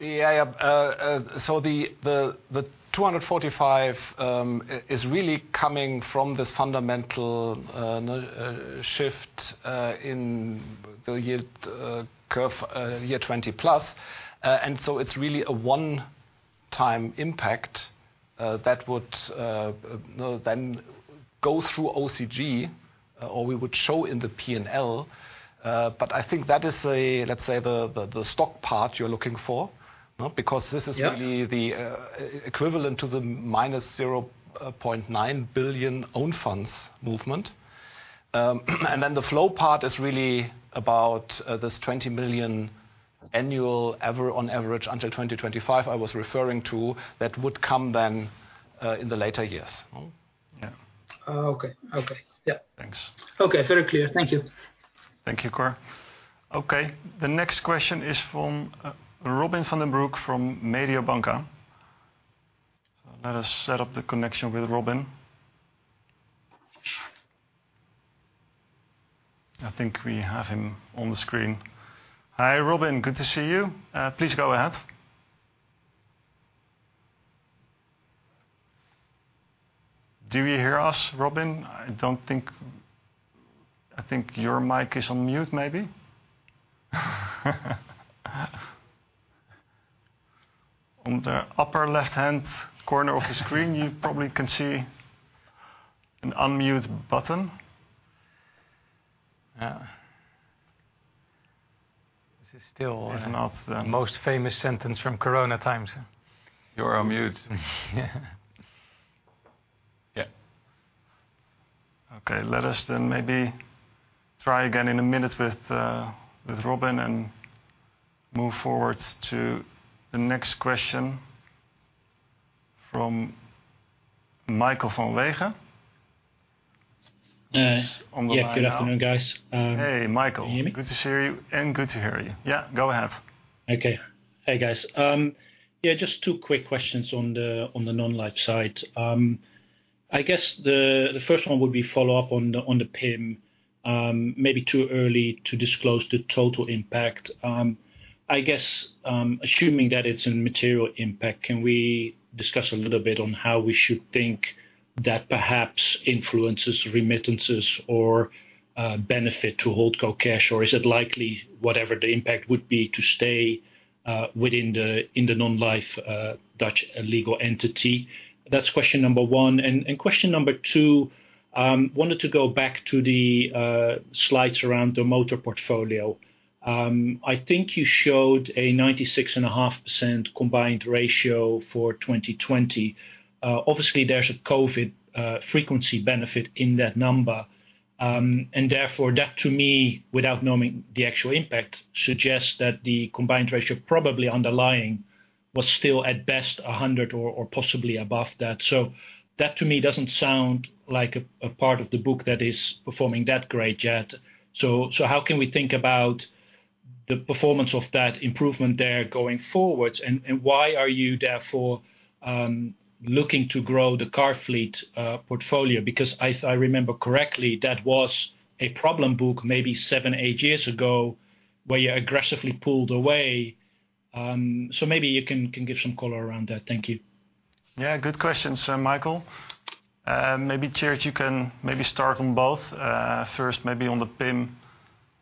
Yeah. The 245 is really coming from this fundamental shift in the yield curve, year 20+. It's really a one-time impact that would then go through OCG or we would show in the P&L. I think that is, let's say, the stock part you're looking for.
Yeah.
This is really the equivalent to the -0.9 billion own funds movement. The flow part is really about this 20 million annual on average until 2025 I was referring to, that would come then in the later years. Yeah.
Okay. Yeah.
Thanks.
Okay. Very clear. Thank you.
Thank you, Cor. The next question is from Robin van den Broek from Mediobanca. Let us set up the connection with Robin. I think we have him on the screen. Hi, Robin. Good to see you. Please go ahead. Do you hear us, Robin? I think your mic is on mute, maybe. On the upper left-hand corner of the screen, you probably can see an unmute button. Yeah.
This is still not the most famous sentence from corona times.
You're on mute.
Yeah.
Okay. Let us then maybe try again in a minute with Robin and move forward to the next question from Michael. [inaudible] He's on the line.
Yeah. Good afternoon, guys.
Hey, Michael. Good to see you and good to hear you. Yeah, go ahead.
Okay. Hey, guys. Yeah, just two quick questions on the Non-life side. I guess the first one would be follow-up on the PIM. Maybe too early to disclose the total impact. I guess, assuming that it's a material impact, can we discuss a little bit on how we should think that perhaps influences remittances or benefit to Holdco cash? Or is it likely, whatever the impact would be, to stay within the Non-life Dutch legal entity? That's question number one. Question number two, wanted to go back to the slides around the motor portfolio. I think you showed a 96.5% combined ratio for 2020. Obviously, there's a COVID frequency benefit in that number. Therefore, that to me, without knowing the actual impact, suggests that the combined ratio probably underlying was still at best 100 or possibly above that. That to me doesn't sound like a part of the book that is performing that great yet. How can we think about the performance of that improvement there going forward? Why are you therefore looking to grow the car fleet portfolio? If I remember correctly, that was a problem book maybe seven years, eight years ago, where you aggressively pulled away. Maybe you can give some color around that. Thank you.
Yeah. Good question, Michael. Maybe Tjeerd, you can maybe start on both. First maybe on the PIM,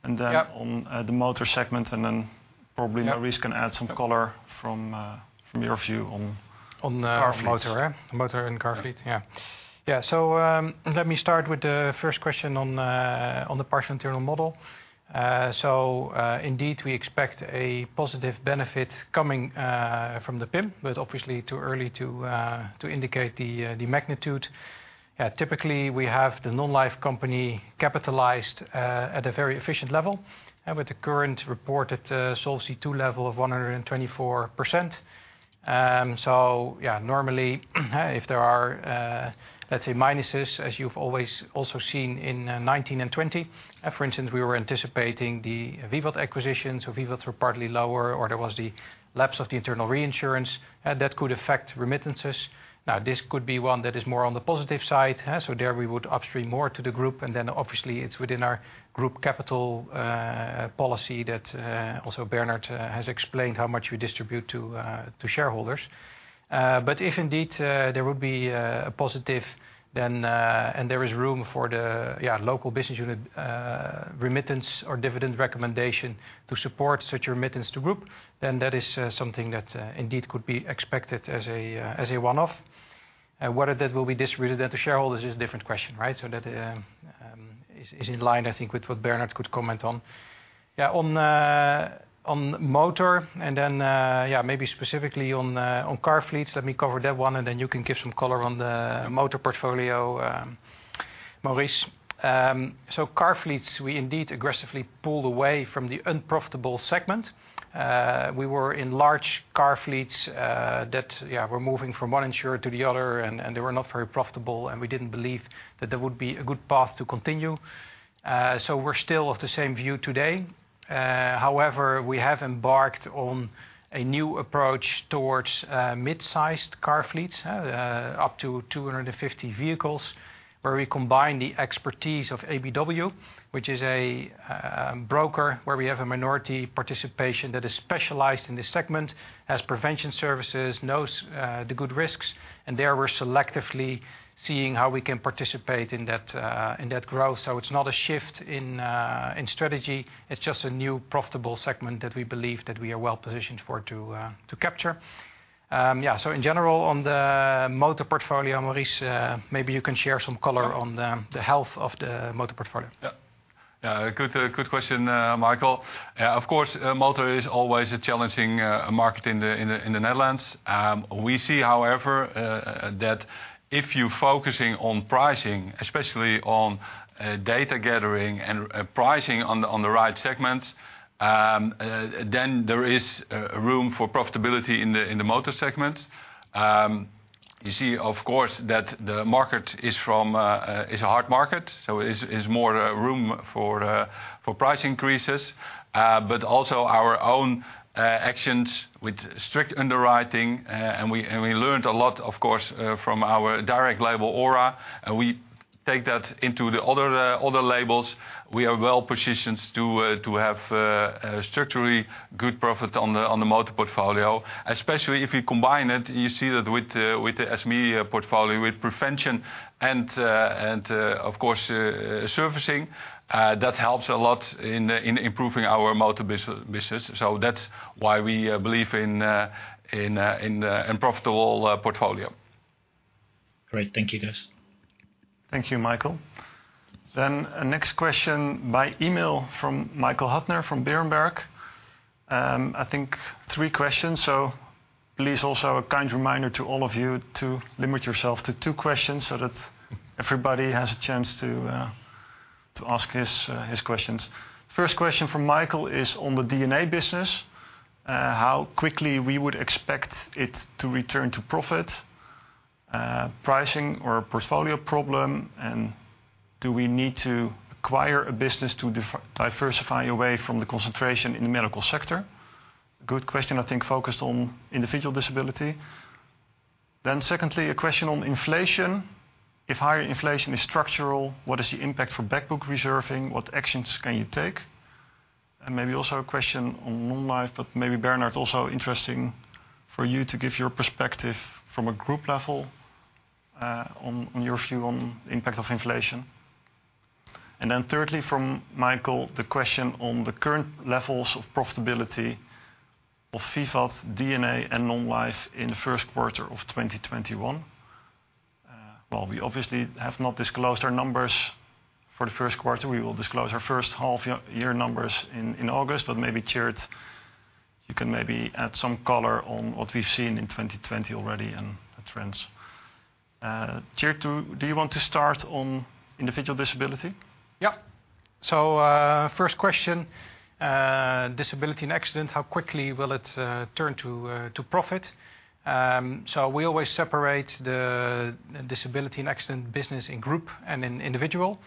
and then on the motor segment, and then probably Maurice can add some color from your view on car fleets.
On motor. Motor and car fleet. Yeah. Let me start with the first question on the Partial Internal Model. Indeed, we expect a positive benefit coming from the PIM, but obviously too early to indicate the magnitude. Typically, we have the Non-life company capitalized at a very efficient level with the current reported Solvency II level of 124%. Normally, if there are, let's say, minuses, as you've always also seen in 2019 and 2020. For instance, we were anticipating the Vivat acquisition. Vivat were partly lower, or there was the lapse of the internal reinsurance that could affect remittances. This could be one that is more on the positive side. There we would upstream more to the group, and then obviously it's within our group capital policy that also Bernhard has explained how much we distribute to shareholders. If indeed there would be a positive, and there is room for the local business unit remittance or dividend recommendation to support such remittance to group, then that is something that indeed could be expected as a one-off. Whether that will be distributed to shareholders is a different question, right? That is in line, I think, with what Bernhard could comment on. On motor and then maybe specifically on car fleets. Let me cover that one, and then you can give some color on the motor portfolio, Maurice. Car fleets, we indeed aggressively pulled away from the unprofitable segment. We were in large car fleets that were moving from one insurer to the other, and they were not very profitable, and we didn't believe that there would be a good path to continue. We're still of the same view today. However, we have embarked on a new approach towards mid-sized car fleets up to 250 vehicles, where we combine the expertise of ABW, which is a broker where we have a minority participation that is specialized in this segment, has prevention services, knows the good risks, and there we're selectively seeing how we can participate in that growth. It's not a shift in strategy. It's just a new profitable segment that we believe that we are well-positioned for to capture. In general, on the motor portfolio, Maurice maybe you can share some color on the health of the motor portfolio.
Good question, Michael. Of course, motor is always a challenging market in the Netherlands. We see, however, that if you're focusing on pricing, especially on data gathering and pricing on the right segments, then there is room for profitability in the motor segment. You see, of course, that the market is a hard market, so is more room for price increases. Our own actions with strict underwriting. We learned a lot, of course, from our direct label OHRA, and we take that into the other labels. We are well positioned to have structurally good profit on the motor portfolio. Especially if you combine it. You see that with the SME portfolio, with prevention and of course, servicing. That helps a lot in improving our motor business. That's why we believe in profitable portfolio.
Great. Thank you, guys.
Thank you, Michael. Next question by email from Michael Huttner from Berenberg. I think three questions. Please also a kind reminder to all of you to limit yourself to two questions so that everybody has a chance to ask his questions. First question from Michael is on the D&A business. How quickly we would expect it to return to profit? Pricing or a portfolio problem, and do we need to acquire a business to diversify away from the concentration in the medical sector? Good question, I think focused on individual disability. Secondly, a question on inflation. If higher inflation is structural, what is the impact for back-book reserving? What actions can you take? And maybe also a question on Non-life, but maybe Bernhard, also interesting for you to give your perspective from a group level on your view on the impact of inflation. Thirdly, from Michael, the question on the current levels of profitability of Vivat, D&A, and Non-life in the first quarter of 2021. We obviously have not disclosed our numbers for the first quarter. We will disclose our first half-year numbers in August, maybe, Tjeerd, you can maybe add some color on what we've seen in 2020 already and the trends. Tjeerd, do you want to start on individual disability?
Yeah. First question, disability and accident, how quickly will it turn to profit? We always separate the disability and accident business in group and in individual.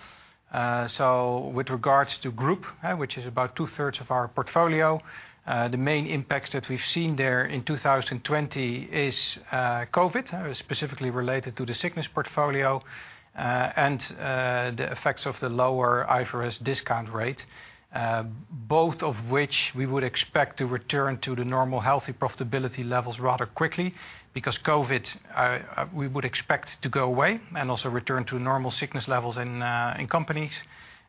With regards to group, which is about two-thirds of our portfolio, the main impact that we've seen there in 2020 is COVID, specifically related to the sickness portfolio and the effects of the lower IFRS discount rate. Both of which we would expect to return to the normal healthy profitability levels rather quickly. Because COVID, we would expect to go away and also return to normal sickness levels in companies.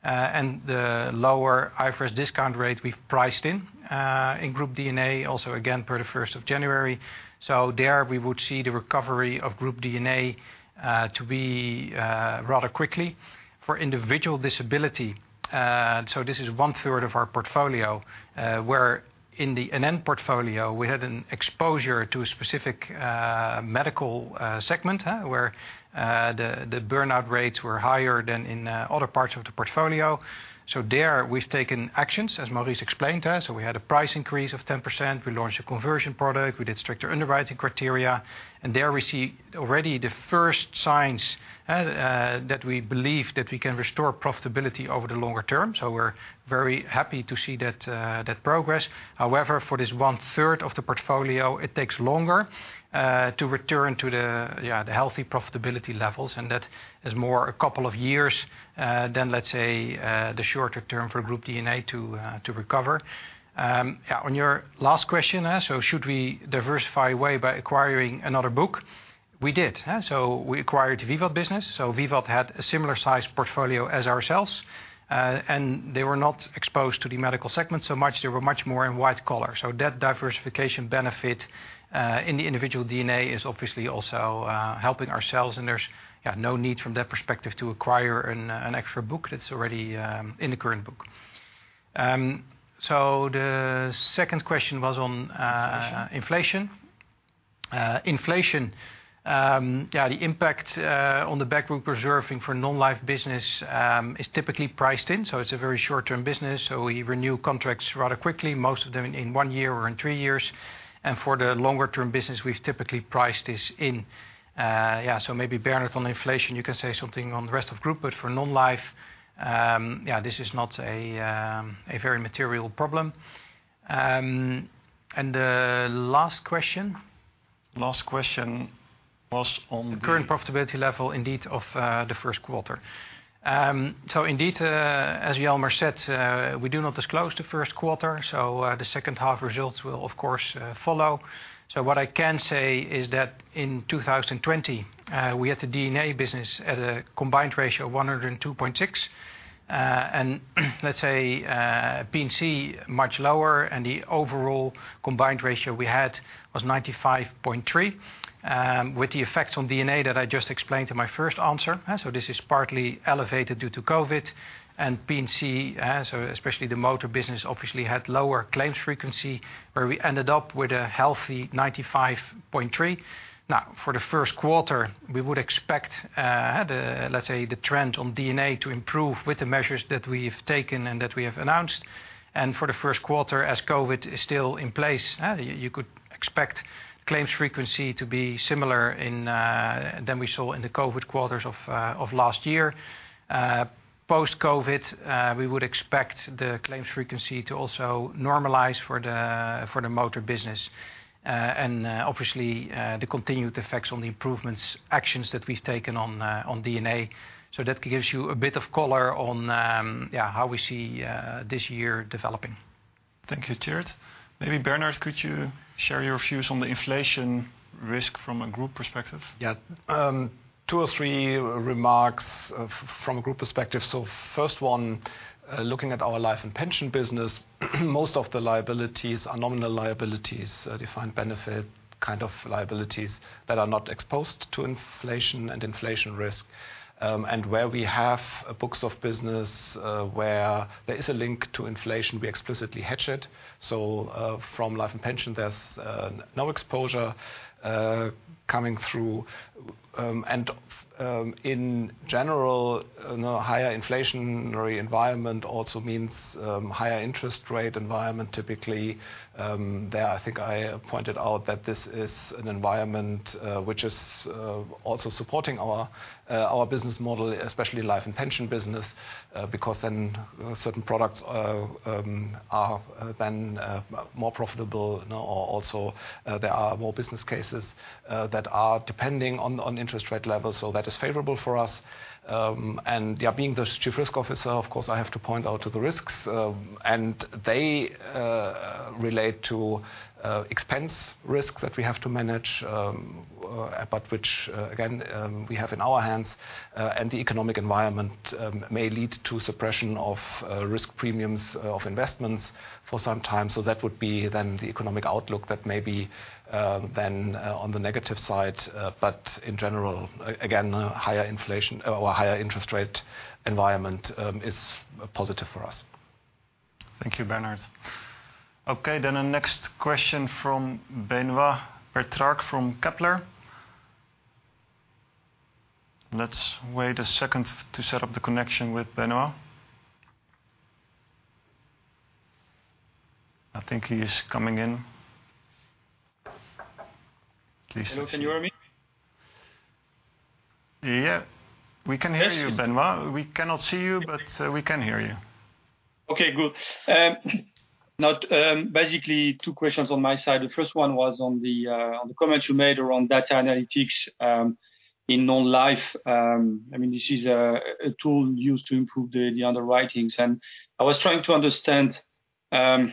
The lower IFRS discount rate we priced in Group D&A, also again per the 1st of January. There we would see the recovery of Group D&A to be rather quickly. For individual disability, this is 1/3 of our portfolio, where in the NN portfolio we had an exposure to a specific medical segment where the burnout rates were higher than in other parts of the portfolio. There we've taken actions, as Maurice explained to us. We had a price increase of 10%, we launched a conversion product, we did stricter underwriting criteria, and there we see already the first signs that we believe that we can restore profitability over the longer term. We're very happy to see that progress. However, for this one-third of the portfolio, it takes longer to return to the healthy profitability levels, and that is more a couple of years than, let's say, the shorter term for Group D&A to recover. On your last question, so should we diversify away by acquiring another book? We did. We acquired the Vivat business. Vivat had a similar size portfolio as ourselves, and they were not exposed to the medical segment so much. They were much more in white collar. That diversification benefit in the individual D&A is obviously also helping ourselves, and there's no need from that perspective to acquire an extra book that's already in the current book. The second question was on inflation. Inflation. The impact on the back book reserving for Non-life business is typically priced in. It's a very short-term business. We renew contracts rather quickly, most of them in one year or in three years. For the longer-term business, we've typically priced this in. Maybe, Bernhard, on inflation you can say something on the rest of group, but for Non-life, this is not a very material problem. The last question?
Last question was on-
The current profitability level indeed of the first quarter. Indeed, as Jelmer said, we do not disclose the first quarter, so the second half results will of course follow. What I can say is that in 2020, we had the D&A business at a combined ratio of 102.6%. Let's say P&C much lower, and the overall combined ratio we had was 95.3%. With the effects on D&A that I just explained in my first answer, so this is partly elevated due to COVID and P&C. Especially the motor business obviously had lower claims frequency, where we ended up with a healthy 95.3%. Now, for the first quarter, we would expect the trends on D&A to improve with the measures that we have taken and that we have announced. For the first quarter, as COVID is still in place, you could expect claims frequency to be similar than we saw in the COVID quarters of last year. Post-COVID, we would expect the claims frequency to also normalize for the motor business. Obviously, the continued effects on the improvements actions that we've taken on D&A. That gives you a bit of color on how we see this year developing.
Thank you, Tjeerd. Maybe Bernhard, could you share your views on the inflation risk from a group perspective?
Yeah. Two or three remarks from group perspective. First one, looking at our life and pension business, most of the liabilities are nominal liabilities, defined benefit kind of liabilities that are not exposed to inflation and inflation risk. Where we have books of business where there is a link to inflation, we explicitly hedge it. From life and pension, there's no exposure coming through. In general, a higher inflationary environment also means higher interest rate environment typically. There, I think I pointed out that this is an environment which is also supporting our business model, especially life and pension business, because then certain products are then more profitable. Also, there are more business cases that are depending on interest rate levels, that is favorable for us. Being the Chief Risk Officer, of course, I have to point out the risks. They relate to expense risk that we have to manage, but which again, we have in our hands. The economic environment may lead to suppression of risk premiums of investments for some time. That would be then the economic outlook that may be then on the negative side. In general, again, higher inflation or higher interest rate environment is positive for us.
Thank you, Bernhard. Okay, the next question from Benoît Pétrarque from Kepler. Let's wait a second to set up the connection with Benoît. I think he is coming in.
Can you hear me?
Yeah. We can hear you, Benoît. We cannot see you, but we can hear you.
Okay, good. Basically, two questions on my side. The first one was on the comment you made around data analytics in Non-life. This is a tool used to improve the underwriting. I was trying to understand how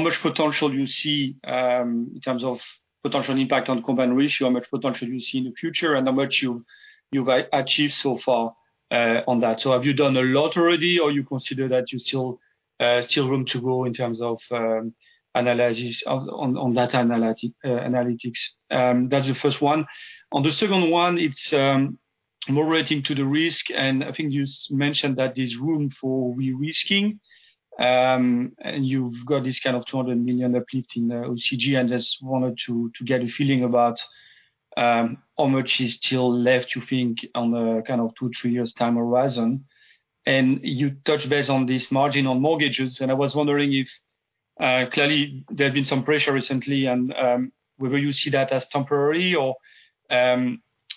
much potential you see in terms of potential impact on combined ratio, how much potential you see in the future, and how much you've achieved so far on that? Have you done a lot already, or you consider that you still room to grow in terms of analysis on that analytics? That's the first one. On the second one, it's more relating to the risk, and I think you mentioned that there's room for re-risking. You've got this kind of 200 million repeat in the OCG, and I just wanted to get a feeling about how much is still left, you think, on the two years, three years time horizon. You touched base on this margin on mortgages. I was wondering if, clearly there's been some pressure recently, and whether you see that as temporary or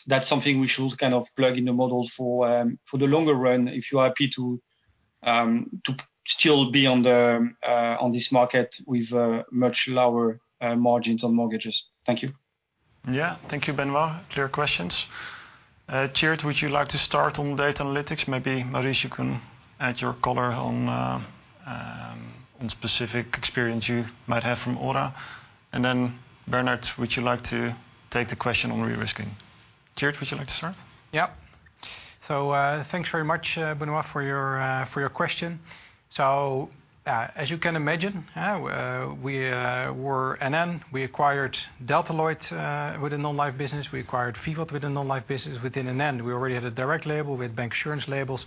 that's something we should plug in the model for the longer run, if you're happy to still be on this market with much lower margins on mortgages? Thank you.
Yeah. Thank you, Benoît. Clear questions. Tjeerd, would you like to start on data analytics? Maybe, Maurice, you can add your color on specific experience you might have from OHRA. Bernhard, would you like to take the question on re-risking? Tjeerd, would you like to start?
Yeah. Thanks very much, Benoît, for your question. As you can imagine, we were NN. We acquired Delta Lloyd within Non-life business. We acquired Vivat within Non-life business within NN. We already had a direct label with bancassurance labels.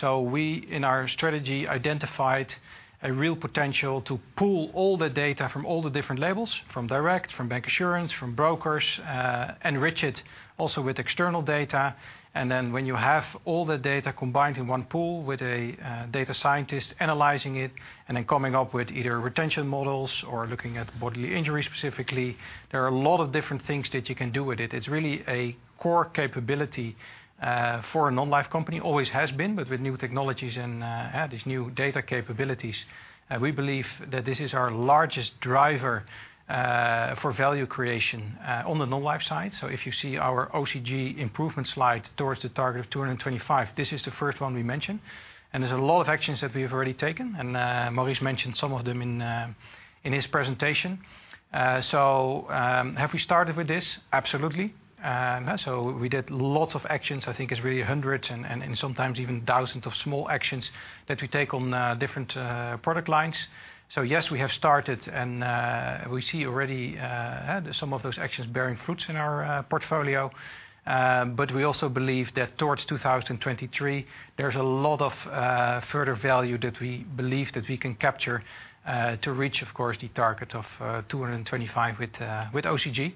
We, in our strategy, identified a real potential to pool all the data from all the different labels, from direct, from bancassurance, from brokers, enrich it also with external data. When you have all the data combined in one pool with a data scientist analyzing it, and then coming up with either retention models or looking at bodily injury specifically, there are a lot of different things that you can do with it. It's really a core capability for a Non-life company. Always has been, but with new technologies and these new data capabilities. We believe that this is our largest driver for value creation on the Non-life side. If you see our OCG improvement slide towards the target of 225, this is the first one we mentioned. There are a lot of actions that we've already taken, and Maurice mentioned some of them in his presentation. Have we started with this? Absolutely. We did lots of actions. I think it's really hundreds and sometimes even thousands of small actions that we take on different product lines. Yes, we have started and we see already some of those actions bearing fruits in our portfolio. We also believe that towards 2023, there's a lot of further value that we believe that we can capture to reach, of course, the target of 225 million with OCG.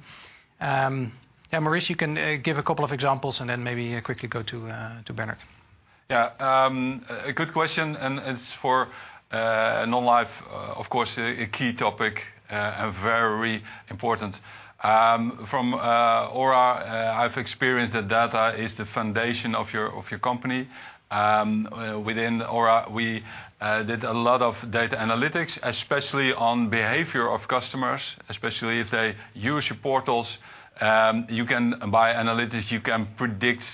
Maurice, you can give a couple of examples and then maybe quickly go to Bernhard.
A good question, it's for Non-life, of course, a key topic and very important. From OHRA, I've experienced that data is the foundation of your company. Within OHRA, we did a lot of data analytics, especially on behavior of customers, especially if they use your portals. By analytics, you can predict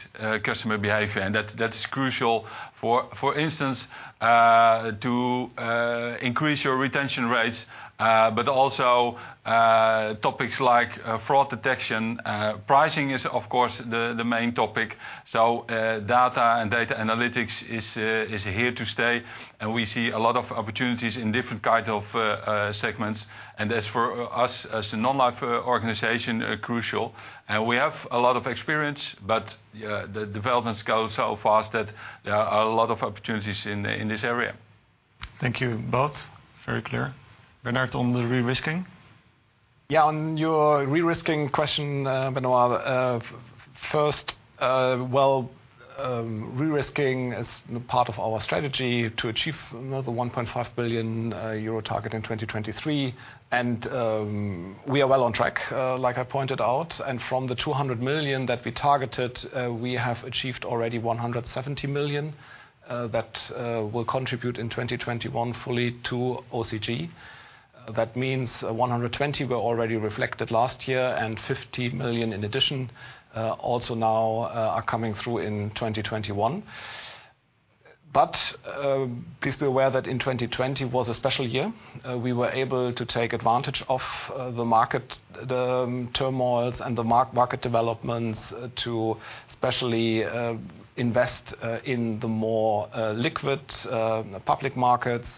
customer behavior, that's crucial. For instance, to increase your retention rates. Also topics like fraud detection. Pricing is, of course, the main topic. Data and data analytics is here to stay, we see a lot of opportunities in different kinds of segments. That's for us, as a Non-life organization, crucial. We have a lot of experience, the developments go so fast that there are a lot of opportunities in this area.
Thank you both. Very clear. Bernhard, on the re-risking?
Yeah, on your re-risking question, Benoît. First, well, re-risking is part of our strategy to achieve the 1.5 billion euro target in 2023. We are well on track, like I pointed out. From the 200 million that we targeted, we have achieved already 170 million that will contribute in 2021 fully to OCG. That means 120 were already reflected last year and 50 million in addition also now are coming through in 2021. Please be aware that in 2020 was a special year. We were able to take advantage of the market, the turmoils, and the market developments to especially invest in the more liquid public markets.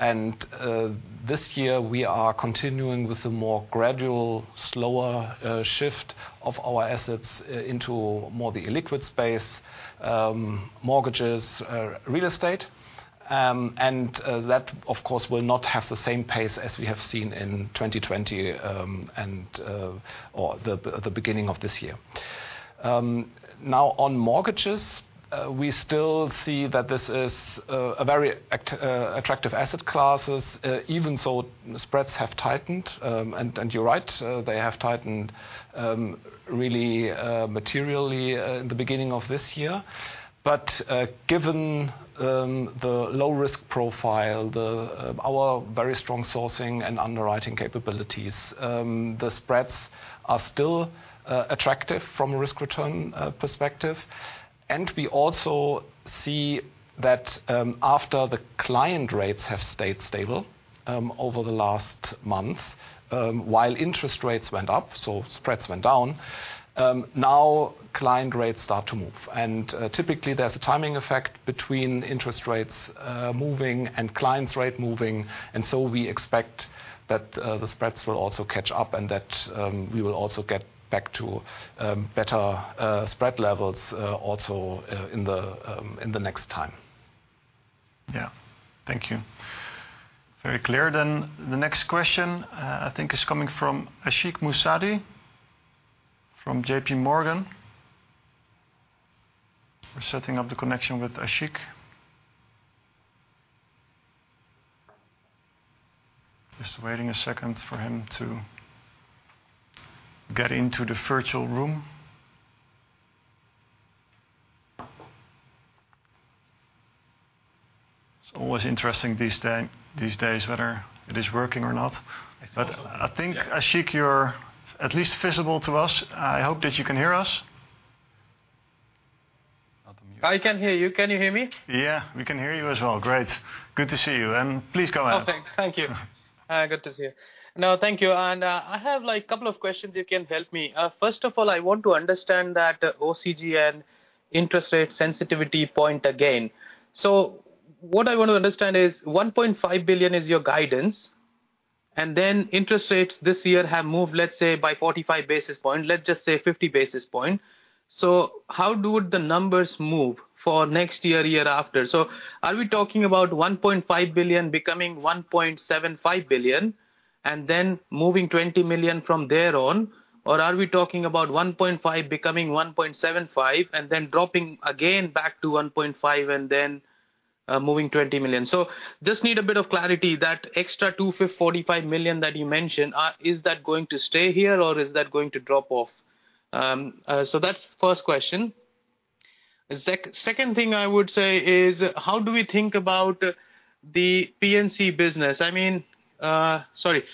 This year, we are continuing with a more gradual, slower shift of our assets into more the illiquid space, mortgages, real estate. That, of course, will not have the same pace as we have seen in 2020 or the beginning of this year. On mortgages, we still see that this is a very attractive asset classes, even though spreads have tightened. You're right, they have tightened really materially at the beginning of this year. Given the low risk profile, our very strong sourcing and underwriting capabilities, the spreads are still attractive from a risk-return perspective. We also see that after the client rates have stayed stable over the last month. While interest rates went up, so spreads went down. Client rates start to move. Typically there's a timing effect between interest rates moving and client rate moving, and so we expect that the spreads will also catch up, and that we will also get back to better spread levels also in the next time.
Yeah. Thank you. Very clear. The next question I think is coming from Ashik Musaddi from JPMorgan. We're setting up the connection with Ashik. Just waiting one second for him to get into the virtual room. It's always interesting these days, whether it is working or not. I think, Ashik, you're at least visible to us. I hope that you can hear us.
I can hear you. Can you hear me?
Yeah, we can hear you as well. Great. Good to see you then. Please go ahead.
Perfect. Thank you. Good to see you. No, thank you. I have a couple of questions you can help me. First of all, I want to understand that OCG and interest rate sensitivity point again. What I want to understand is 1.5 billion is your guidance, and then interest rates this year have moved, let's say by 45 basis points, let's just say 50 basis points. How would the numbers move for next year after? Are we talking about 1.5 billion becoming 1.75 billion and then moving 20 million from there on, or are we talking about 1.5 billion becoming 1.75 billion and then dropping again back to 1.5 billion and then moving 20 million? Just need a bit of clarity, that extra 245 million that you mentioned, is that going to stay here or is that going to drop off? That's the first question. The second thing I would say is, how do we think about the P&C business? Sorry,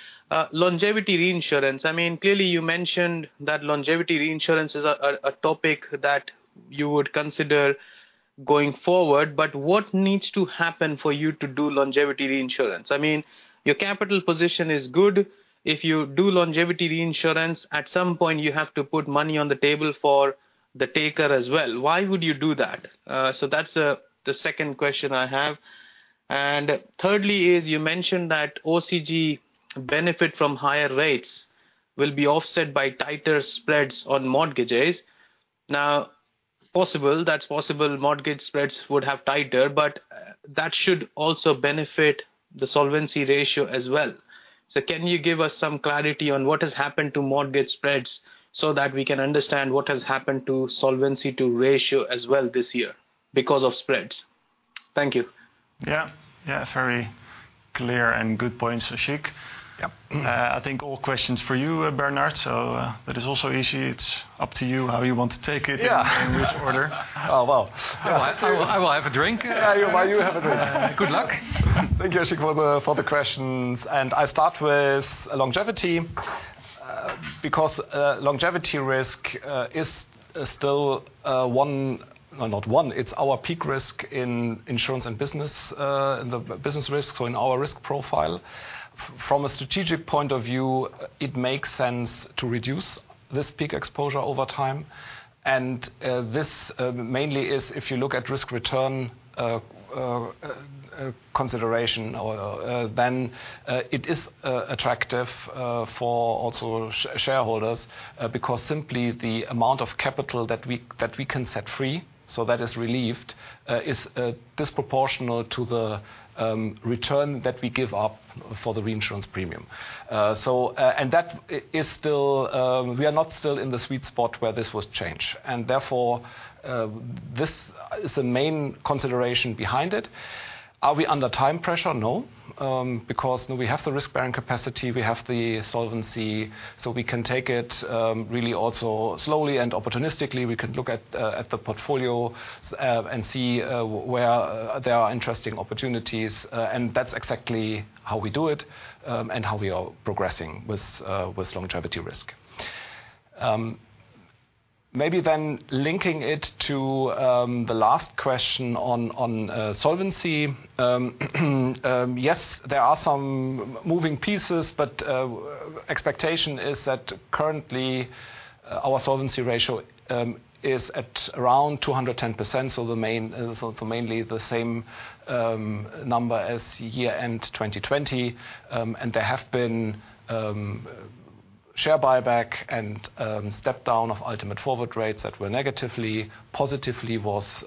longevity reinsurance. Clearly you mentioned that longevity reinsurance is a topic that you would consider going forward, but what needs to happen for you to do longevity reinsurance? Your capital position is good. If you do longevity reinsurance, at some point, you have to put money on the table for the taker as well. Why would you do that? That's the second question I have. Thirdly is you mentioned that OCG benefit from higher rates will be offset by tighter spreads on mortgages. Now, that's possible mortgage spreads would have tighter, but that should also benefit the solvency ratio as well. Can you give us some clarity on what has happened to mortgage spreads so that we can understand what has happened to Solvency II ratio as well this year because of spreads? Thank you.
Yeah. Very clear and good points, Ashik.
Yeah.
I think all questions for you, Bernhard, so it is also easy. It's up to you how you want to take it.
Yeah.
in which order?
Oh, well. I will have a drink.
Yeah, you have a drink.
Good luck. Thank you, Ashik, for the questions. I start with longevity, because longevity risk is still our peak risk in insurance and business risk, so in our risk profile. From a strategic point of view, it makes sense to reduce this peak exposure over time, this mainly is if you look at risk return consideration, it is attractive for also shareholders, simply the amount of capital that we can set free, so that is relieved, is disproportional to the return that we give up for the reinsurance premium. We are not still in the sweet spot where this was changed. Therefore, this is the main consideration behind it. Are we under time pressure? No, we have the risk-bearing capacity, we have the solvency, we can take it really also slowly and opportunistically, we can look at the portfolio and see where the interesting opportunities and that's exactly how we do it, and how we are progressing with longevity risk. Linking it to the last question on solvency. There are some moving pieces, but expectation is that currently our solvency ratio is at around 210%, so mainly the same number as year-end 2020. There have been share buybacks and step-downs of ultimate forward rates that were negatively. Positively was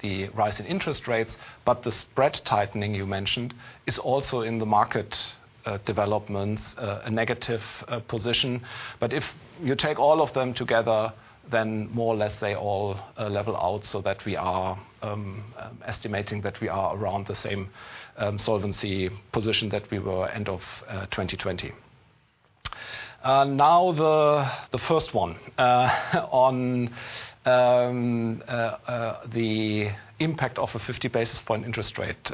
the rise in interest rates. The spread tightening you mentioned is also in the market developments a negative position. If you take all of them together, then more or less they all level out so that we are estimating that we are around the same solvency position that we were end of 2020. The first one, on the impact of a 50 basis point interest rate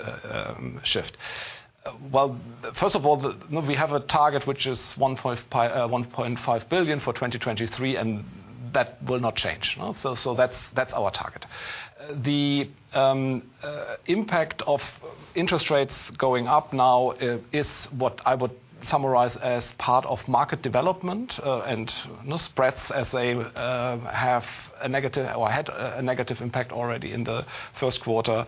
shift. Well, first of all, we have a target which is 1.5 billion for 2023. That will not change. That's our target. The impact of interest rates going up now is what I would summarize as part of market development and no spreads as they have a negative, or had a negative impact already in the first quarter,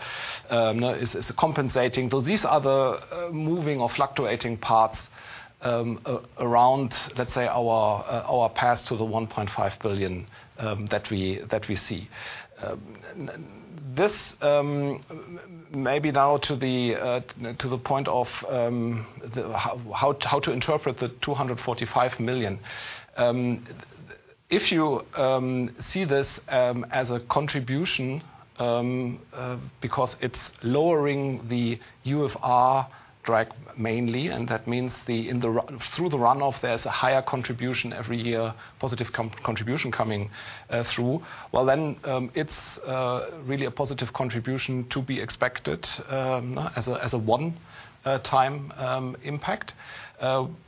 is compensating. These are the moving or fluctuating parts around, let's say, our path to the 1.5 billion that we see. Maybe now to the point of how to interpret the 245 million. If you see this as a contribution, because it's lowering the UFR drag mainly, and that means through the run-off, there's a higher contribution every year, positive contribution coming through. It's really a positive contribution to be expected as a one-time impact,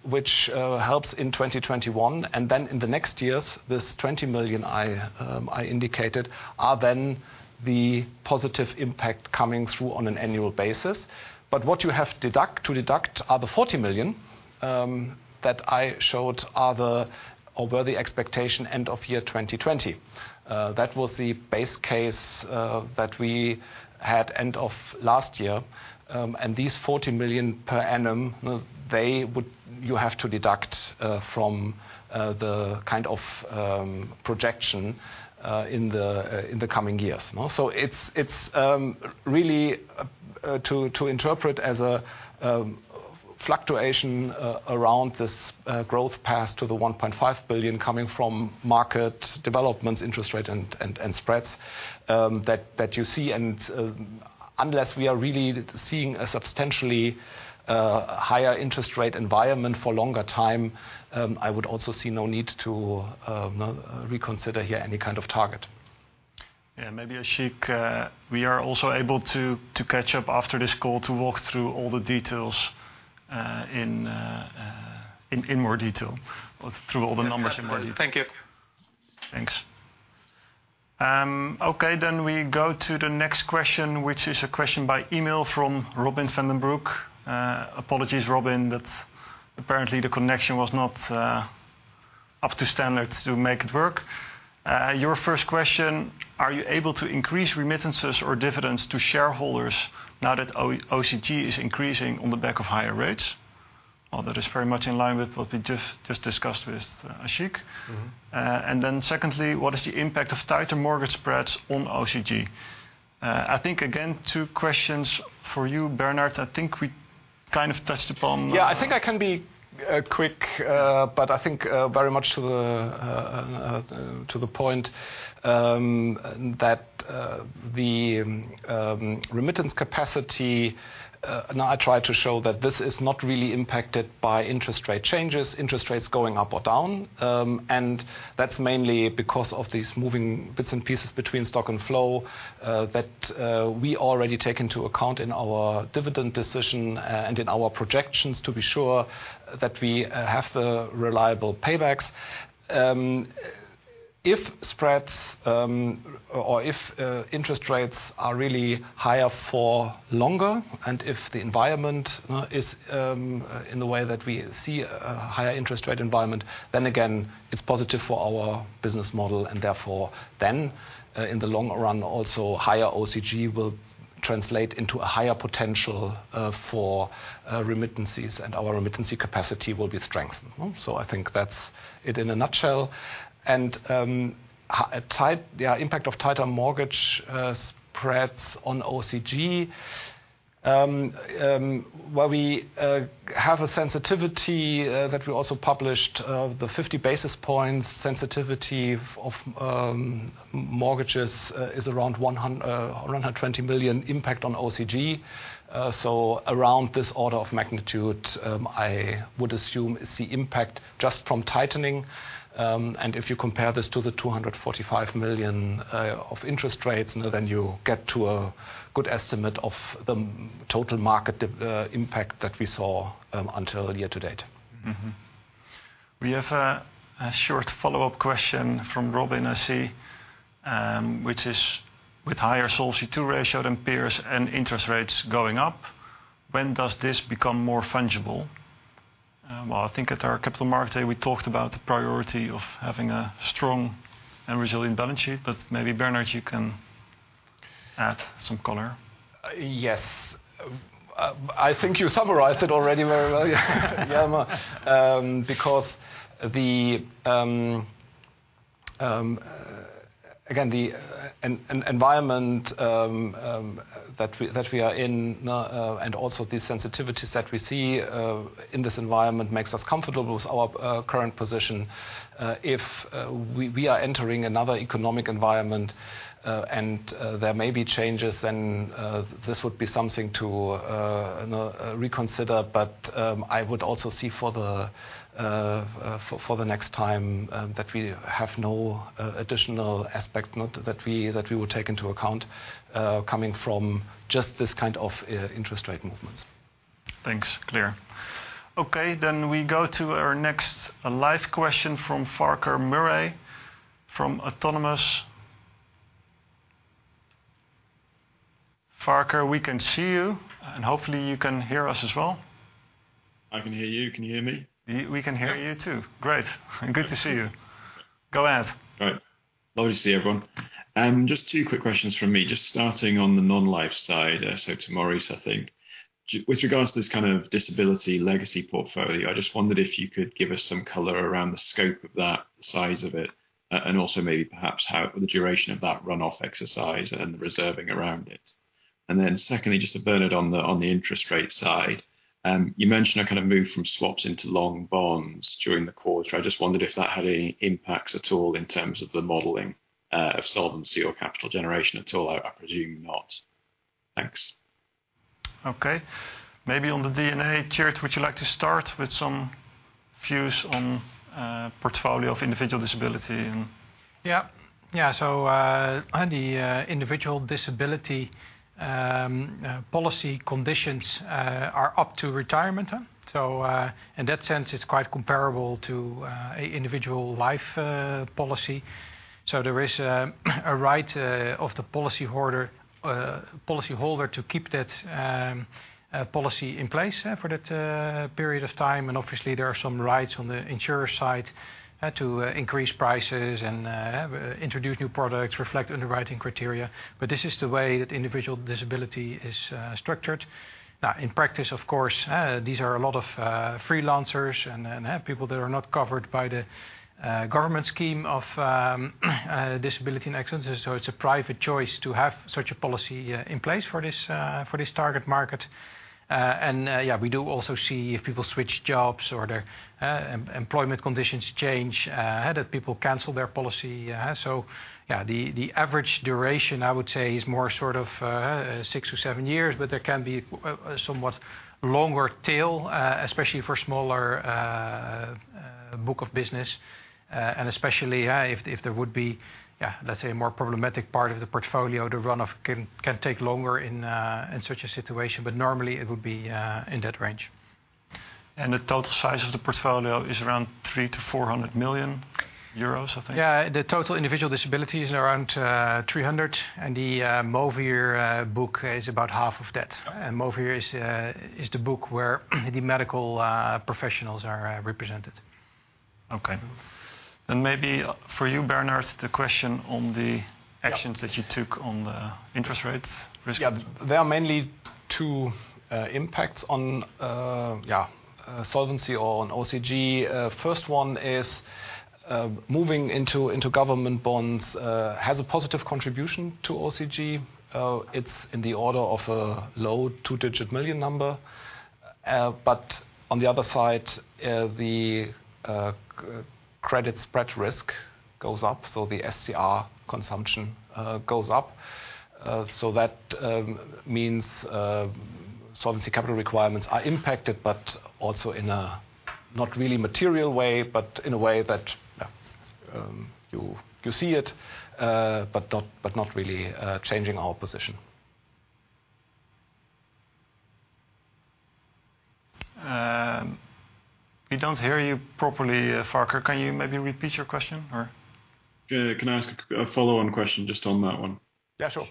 which helps in 2021. In the next years, this 20 million I indicated are then the positive impact coming through on an annual basis. What you have to deduct are the 40 million that I showed are above the expectation end of year 2020. That was the base case that we had end of last year. These 40 million per annum, you have to deduct from the projection in the coming years. It's really to interpret as a fluctuation around this growth path to the 1.5 billion coming from market developments, interest rate, and spreads that you see. Unless we are really seeing a substantially higher interest rate environment for a longer time, I would also see no need to reconsider here any kind of target.
Yeah. Maybe, Ashik, we are also able to catch up after this call to walk through all the details in more detail through all the numbers.
Thank you.
Thanks. Okay, we go to the next question, which is a question by email from Robin van den Broek. Apologies, Robin, apparently the connection was not up to standard to make it work. Your first question, are you able to increase remittances or dividends to shareholders now that OCG is increasing on the back of higher rates? Well, that is very much in line with what we just discussed with Ashik and secondly, what is the impact of tighter mortgage spreads on OCG? Again, two questions for you, Bernhard. I think we kind of test it from-
Yeah, I think I can be quick. I think very much to the point that the remittance capacity, I tried to show that this is not really impacted by interest rate changes, interest rates going up or down. That's mainly because of these moving bits and pieces between stock and flow that we already take into account in our dividend decision and in our projections to be sure that we have the reliable paybacks. If spreads or if interest rates are really higher for longer, if the environment is in the way that we see a higher interest rate environment, again, it's positive for our business model, therefore, in the long run, also higher OCG will translate into a higher potential for remittances and our remittance capacity will be strengthened. I think that's it in a nutshell. Impact of tighter mortgage spreads on OCG, where we have a sensitivity that we also published, the 50 basis points sensitivity of mortgages is around 120 million impact on OCG. Around this order of magnitude, I would assume is the impact just from tightening. If you compare this to the 245 million of interest rates, then you get to a good estimate of the total market impact that we saw until year-to-date.
We have a short follow-up question from Robin, I see, which is, with higher Solvency II ratio than peers and interest rates going up, when does this become more fungible? I think at our Capital Markets Day, we talked about the priority of having a strong and resilient balance sheet, maybe, Bernhard, you can add some color.
Yes. I think you summarized it already very well. Again, the environment that we are in and also the sensitivities that we see in this environment makes us comfortable with our current position. If we are entering another economic environment and there may be changes, then this would be something to reconsider. I would also see for the next time that we have no additional aspect that we would take into account coming from just this kind of interest rate movements.
Thanks. Clear. We go to our next live question from Farquhar Murray from Autonomous. Farquhar, we can see you, and hopefully you can hear us as well.
I can hear you. Can you hear me?
We can hear you too. Great. Good to see you. Go ahead.
Right. Lovely to see everyone. Just two quick questions from me. Just starting on the Non-life side, so to Maurice, I think. With regards to this kind of disability legacy portfolio, I just wondered if you could give us some color around the scope of that, the size of it, and also maybe perhaps the duration of that runoff exercise and reserving around it. Secondly, just to Bernhard on the interest rate side. You mentioned moving from swaps into long bonds during the quarter. I just wondered if that had any impacts at all in terms of the modeling of Solvency II or capital generation at all. I presume not. Thanks.
Okay. Maybe on the D&A Tjeerd, would you like to start with some views on the portfolio of individual disability?
The individual disability policy conditions are up to retirement. In that sense, it's quite comparable to individual life policy. There is a right of the policyholder to keep that policy in place for that period of time. Obviously, there are some rights on the insurer side to increase prices and introduce new products, reflect underwriting criteria. This is the way that individual disability is structured. In practice, of course, these are a lot of freelancers and people that are not covered by the government scheme of disability and accidents. It's a private choice to have such a policy in place for this target market. We do also see people switch jobs or their employment conditions change, that people cancel their policy. Yeah, the average duration, I would say, is more six years or seven years, but there can be a somewhat longer tail, especially for smaller book of business, and especially if there would be, let's say, a more problematic part of the portfolio, the runoff can take longer in such a situation. Normally it would be in that range.
The total size of the portfolio is around 300 million-400 million euros? I think.
The total individual disability is around 300 million, and the Movir book is about half of that. Movir is the book where the medical professionals are represented.
Okay. Maybe for you, Bernhard, the question on the actions that you took on the interest rates recently.
Yeah. There are mainly two impacts on solvency or on OCG. First one is moving into government bonds, has a positive contribution to OCG. It's in the order of a low two-digit million number. On the other side, the credit spread risk goes up, so the SCR consumption goes up. That means Solvency Capital Requirements are impacted, but also in a not really material way, but in a way that you see it, but not really changing our position.
We don't hear you properly, Farquhar. Can you maybe repeat your question or?
Yeah. Can I ask a follow-on question just on that one?
Yeah, sure.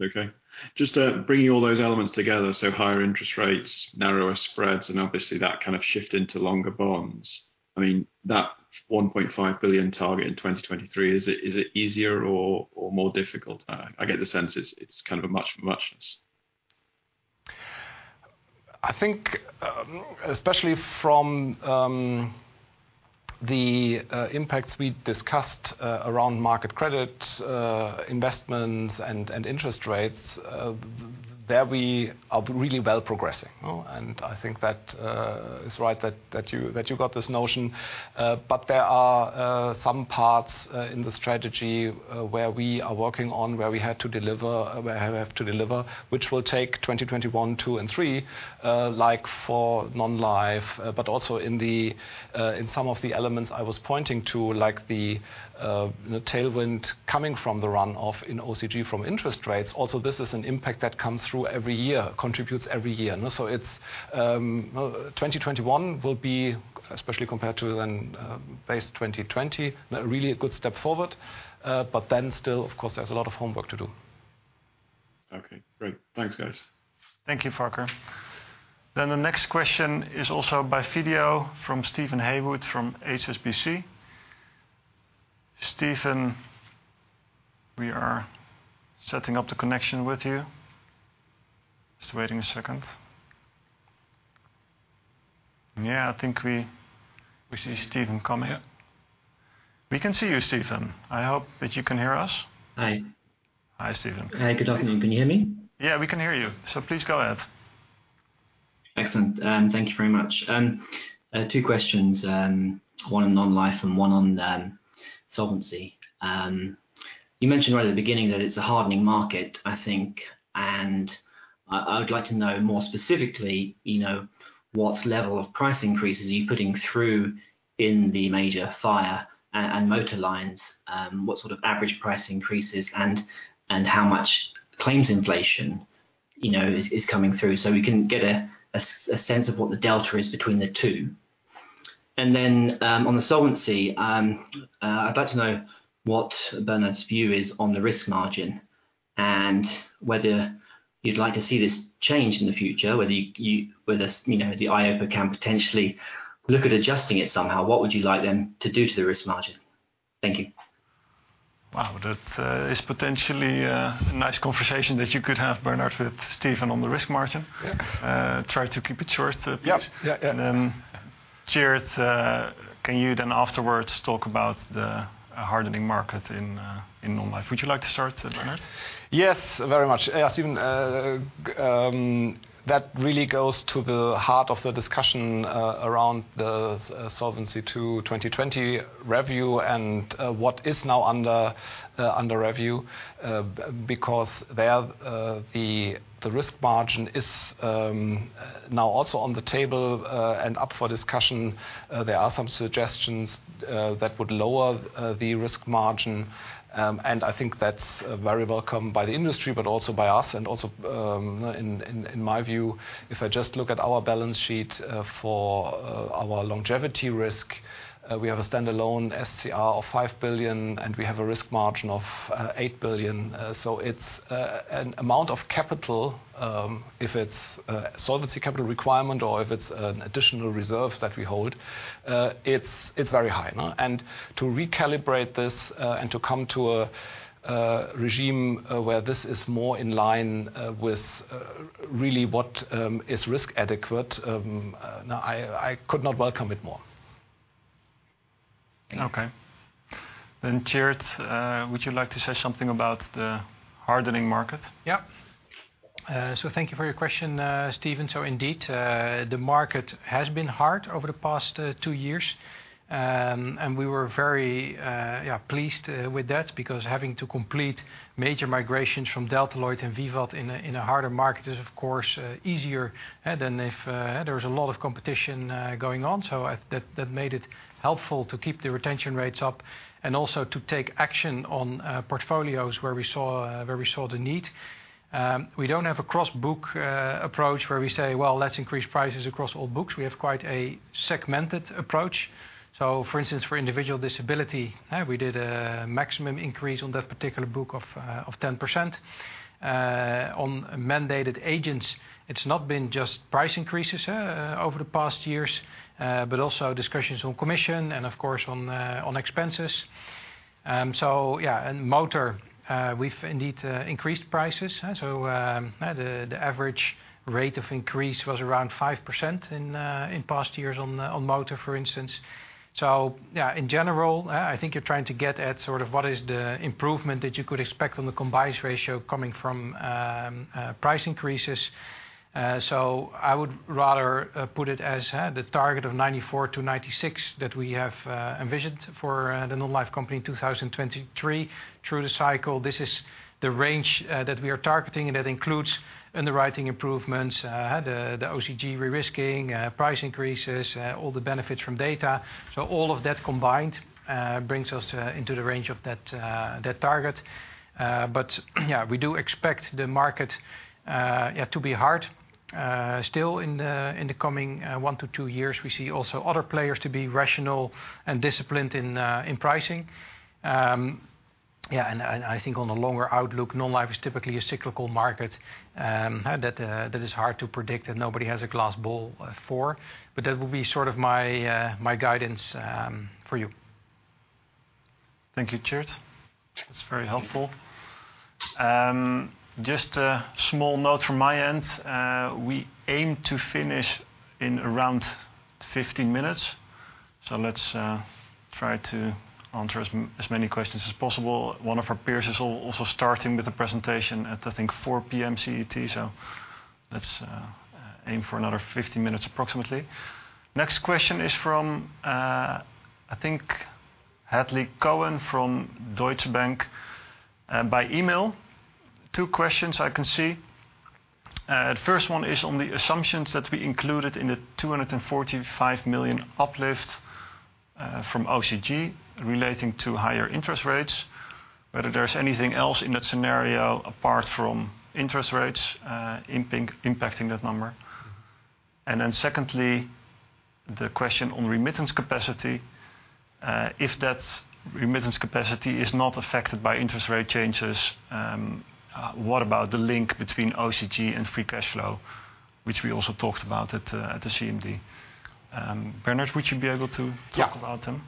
Okay. Just bringing all those elements together, higher interest rates, narrower spreads, and obviously that kind of shift into longer bonds. I mean, that 1.5 billion target in 2023, is it easier or more difficult now? I get the sense it's kind of a much muchness.
I think, especially from the impacts we discussed around market credit investments and interest rates, there we are really well progressing. I think that is right that you got this notion. There are some parts in the strategy where we are working on where we have to deliver, which will take 2021, 2022, and 2023, like for Non-life. Also in some of the elements I was pointing to, like the tailwind coming from the runoff in OCG from interest rates. This is an impact that comes through every year, contributes every year. 2021 will be, especially compared to base 2020, a really good step forward. Still, of course, there's a lot of homework to do.
Okay, great. Thanks, guys.
Thank you, Farquhar. The next question is also by video from Steven Haywood from HSBC. Steven, we are setting up the connection with you. Just waiting a second. Yeah, I think we see Steven come here. We can see you, Steven. I hope that you can hear us.
Hi.
Hi, Steven.
Hey, good afternoon. Can you hear me?
Yeah, we can hear you. Please go ahead.
Excellent. Thank you very much. Two questions, one on Non-life and one on solvency. You mentioned right at the beginning that it's a hardening market, I think, and I'd like to know more specifically, what level of price increases are you putting through in the major fire and motor lines? What sort of average price increases and how much claims inflation is coming through so we can get a sense of what the delta is between the two. On the solvency, I'd like to know what Bernhard's view is on the risk margin and whether you'd like to see this change in the future, whether the EIOPA can potentially look at adjusting it somehow. What would you like them to do to the risk margin? Thank you.
Wow. That is potentially a nice conversation that you could have, Bernhard, with Steven on the risk margin.
Yeah.
Try to keep it short.
Yeah.
Tjeerd, can you then afterwards talk about the hardening market in Non-life. Would you like to start, Bernhard?
Yes, very much. That really goes to the heart of the discussion around the Solvency II 2020 review and what is now under review. There the risk margin is now also on the table and up for discussion. There are some suggestions that would lower the risk margin, and I think that's very welcome by the industry, but also by us and also, in my view, if I just look at our balance sheet for our longevity risk, we have a standalone SCR of 5 billion, and we have a risk margin of 8 billion. It's an amount of capital, if it's a Solvency Capital Requirement or if it's an additional reserves that we hold. It's very high. To recalibrate this and to come to a regime where this is more in line with really what is risk adequate, I could not welcome it more.
Okay. Tjeerd, would you like to say something about the hardening market?
Thank you for your question, Steven. Indeed, the market has been hard over the past two years. We were very pleased with that because having to complete major migrations from Delta LLoyd and Vivat in a harder market is of course easier than if there's a lot of competition going on. That made it helpful to keep the retention rates up and also to take action on portfolios where we saw the need. We don't have a cross-book approach where we say, "Well, let's increase prices across all books." We have quite a segmented approach. For instance, for individual disability, we did a maximum increase on that particular book of 10%. On mandated agents, it's not been just price increases over the past years, but also discussions on commission and of course on expenses. Motor, we've indeed increased prices. The average rate of increase was around 5% in past years on motor, for instance. Yeah, in general, I think you're trying to get at sort of what is the improvement that you could expect on the combined ratio coming from price increases. I would rather put it as the target of 94%-96% that we have envisioned for the Non-life company in 2023 through the cycle. This is the range that we are targeting. That includes underwriting improvements, the OCG riskiness, price increases, all the benefits from data. All of that combined brings us into the range of that target. Yeah, we do expect the market to be hard still in the coming one to two years. We see also other players to be rational and disciplined in pricing. Yeah, I think on a longer outlook, Non-life is typically a cyclical market that is hard to predict and nobody has a glass ball for. That would be sort of my guidance for you.
Thank you, Tjeerd. That's very helpful. Just a small note from my end. We aim to finish in around 50 minutes, so let's try to answer as many questions as possible. One of our peers is also starting with the presentation at, I think, 4:00 P.M. CET, so let's aim for another 50 minutes approximately. Next question is from, I think, Hadley Cohen from Deutsche Bank by email. Two questions I can see. The first one is on the assumptions that we included in the 245 million uplift from OCG relating to higher interest rates, whether there's anything else in that scenario apart from interest rates impacting that number. Secondly, the question on remittance capacity. If that remittance capacity is not affected by interest rate changes, what about the link between OCG and free cash flow, which we also talked about at the CMD. Bernhard, would you be able to talk about them?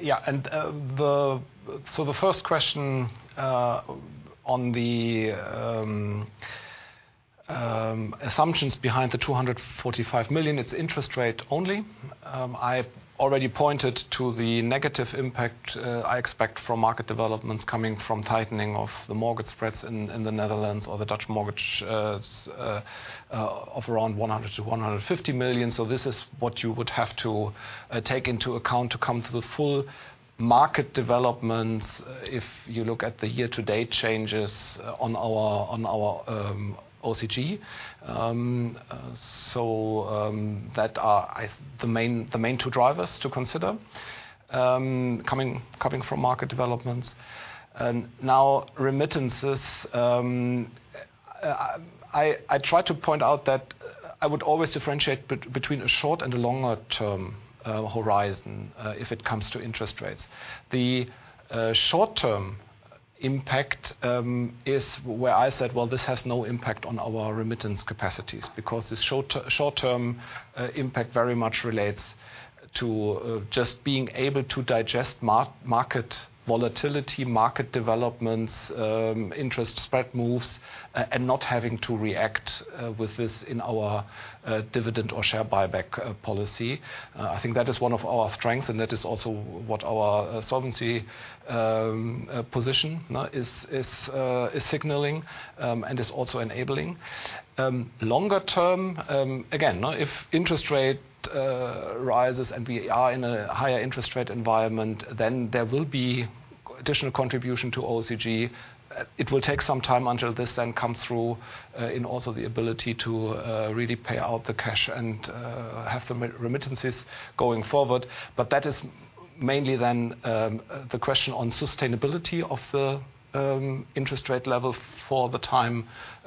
Yeah. The first question on the assumptions behind the 245 million, it's interest rate only. I already pointed to the negative impact I expect from market developments coming from tightening of the mortgage spreads in the Netherlands or the Dutch mortgage of around 100 million-150 million. This is what you would have to take into account to come to the full market development if you look at the year-to-date changes on our OCG. Those are the main two drivers to consider, coming from market developments. Now remittances. I try to point out that I would always differentiate between a short-term and a longer-term horizon if it comes to interest rates. The short-term impact is where I said, well, this has no impact on our remittance capacities, because the short-term impact very much relates to just being able to digest market volatility, market developments, interest spread moves, and not having to react with this in our dividend or share buyback policy. I think that is one of our strengths, and that is also what our solvency position is signaling and is also enabling. Longer term, again, if interest rate rises and we are in a higher interest rate environment, then there will be additional contribution to OCG. It will take some time until this then comes through in also the ability to really pay out the cash and have the remittances going forward. That is mainly then the question on sustainability of the interest rate level for the time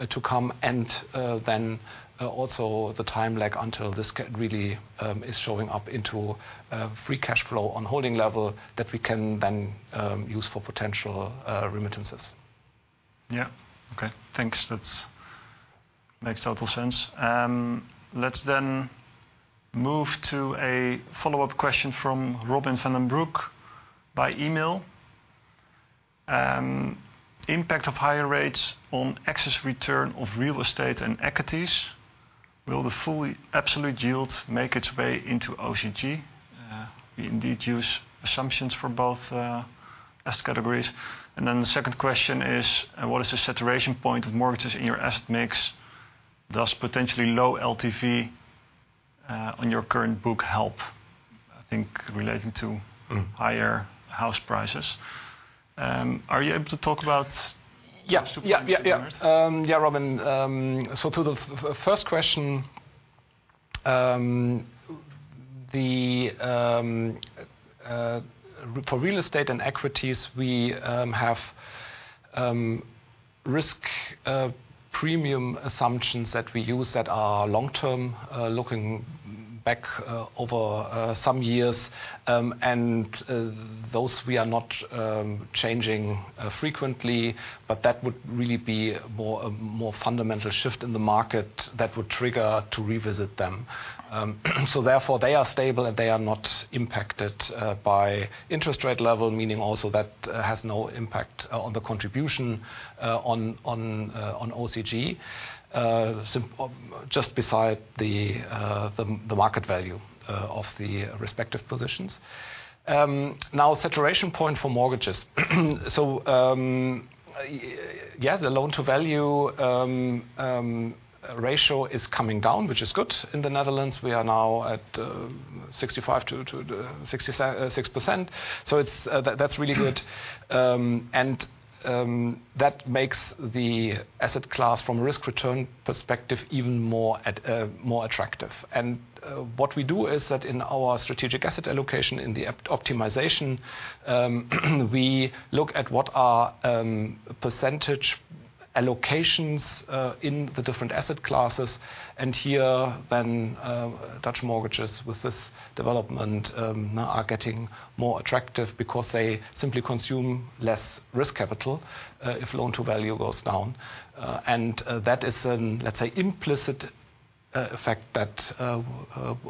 to come, and then also the time until this really is showing up into free cash flow on holding level that we can then use for potential remittances.
Okay, thanks. That makes total sense. Let's move to a follow-up question from Robin van den Broek by email. Impact of higher rates on excess return of real estate and equities. Will the fully absolute yield make its way into OCG? We indeed use assumptions for both asset categories. The second question is, what is the saturation point of mortgages in your asset mix? Does potentially low LTV on your current book help, I think related to higher house prices? Are you able to talk about?
Robin, so to the first question. For real estate and equities, we have risk premium assumptions that we use that are long-term, looking back over some years, and those we are not changing frequently, but that would really be a more fundamental shift in the market that would trigger to revisit them. Therefore, they are stable and they are not impacted by interest rate level, meaning also that has no impact on the contribution on OCG, just beside the market value of the respective positions. Saturation point for mortgages. The loan-to-value ratio is coming down, which is good in the Netherlands. We are now at 65%-66%. That's really good. That makes the asset class, from a risk-return perspective, even more attractive. What we do is that in our strategic asset allocation, in the optimization, we look at what are percentage allocations in the different asset classes. Here, then, Dutch mortgages with this development are getting more attractive because they simply consume less risk capital if loan-to-value goes down. That is an, let's say, implicit effect that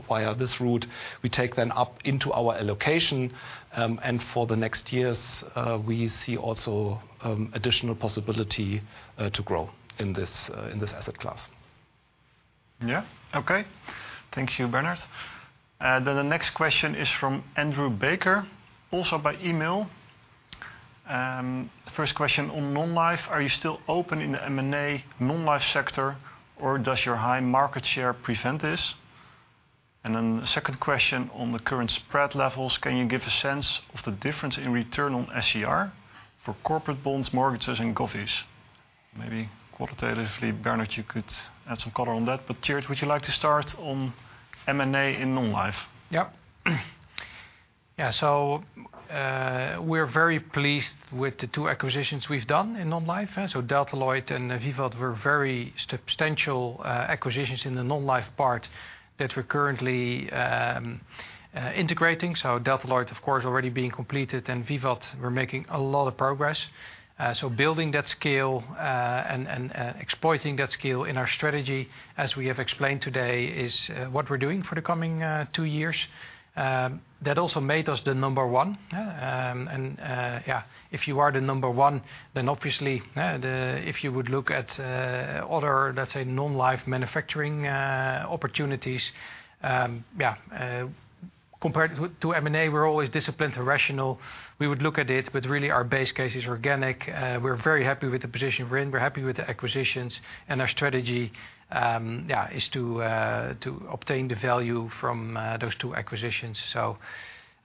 via this route we take then up into our allocation. For the next years, we see also additional possibilities to grow in this asset class.
Yeah. Okay. Thank you, Bernhard. The next question is from Andrew Baker, also by email. First question on Non-life: Are you still open in the M&A Non-life sector, or does your high market share prevent this? The second question on the current spread levels: Can you give a sense of the difference in return on SCR for corporate bonds, mortgages, and COFI's? Maybe quantitatively, Bernhard, you could add some color on that. Tjeerd, would you like to start on M&A in Non-life?
Yeah. We're very pleased with the two acquisitions we've done in Non-life. Delta Lloyd and Vivat were very substantial acquisitions in the Non-life part that we're currently integrating. Delta Lloyd, of course, already being completed, and Vivat, we're making a lot of progress. Building that scale and exploiting that scale in our strategy, as we have explained today, is what we're doing for the coming two years. That also made us the number one. If you are the number one, then obviously, if you would look at other, let's say, Non-life manufacturing opportunities, compared to M&A, we're always disciplined and rational. We would look at it, but really our base case is organic. We're very happy with the position we're in. We're happy with the acquisitions, and our strategy is to obtain the value from those two acquisitions, so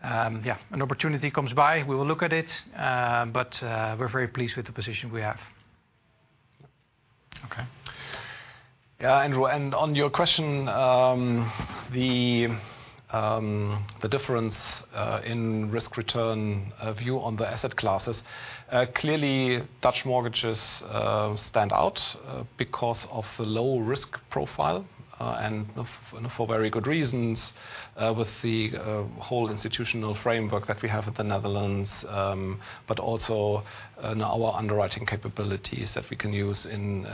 yeah, an opportunity comes by, we will look at it, but we are very pleased with the position we have.
Andrew, on your question, the difference in risk-return view on the asset classes. Clearly, Dutch mortgages stand out because of the low risk profile, and for very good reasons, with the whole institutional framework that we have in the Netherlands, but also in our underwriting capabilities that we can use in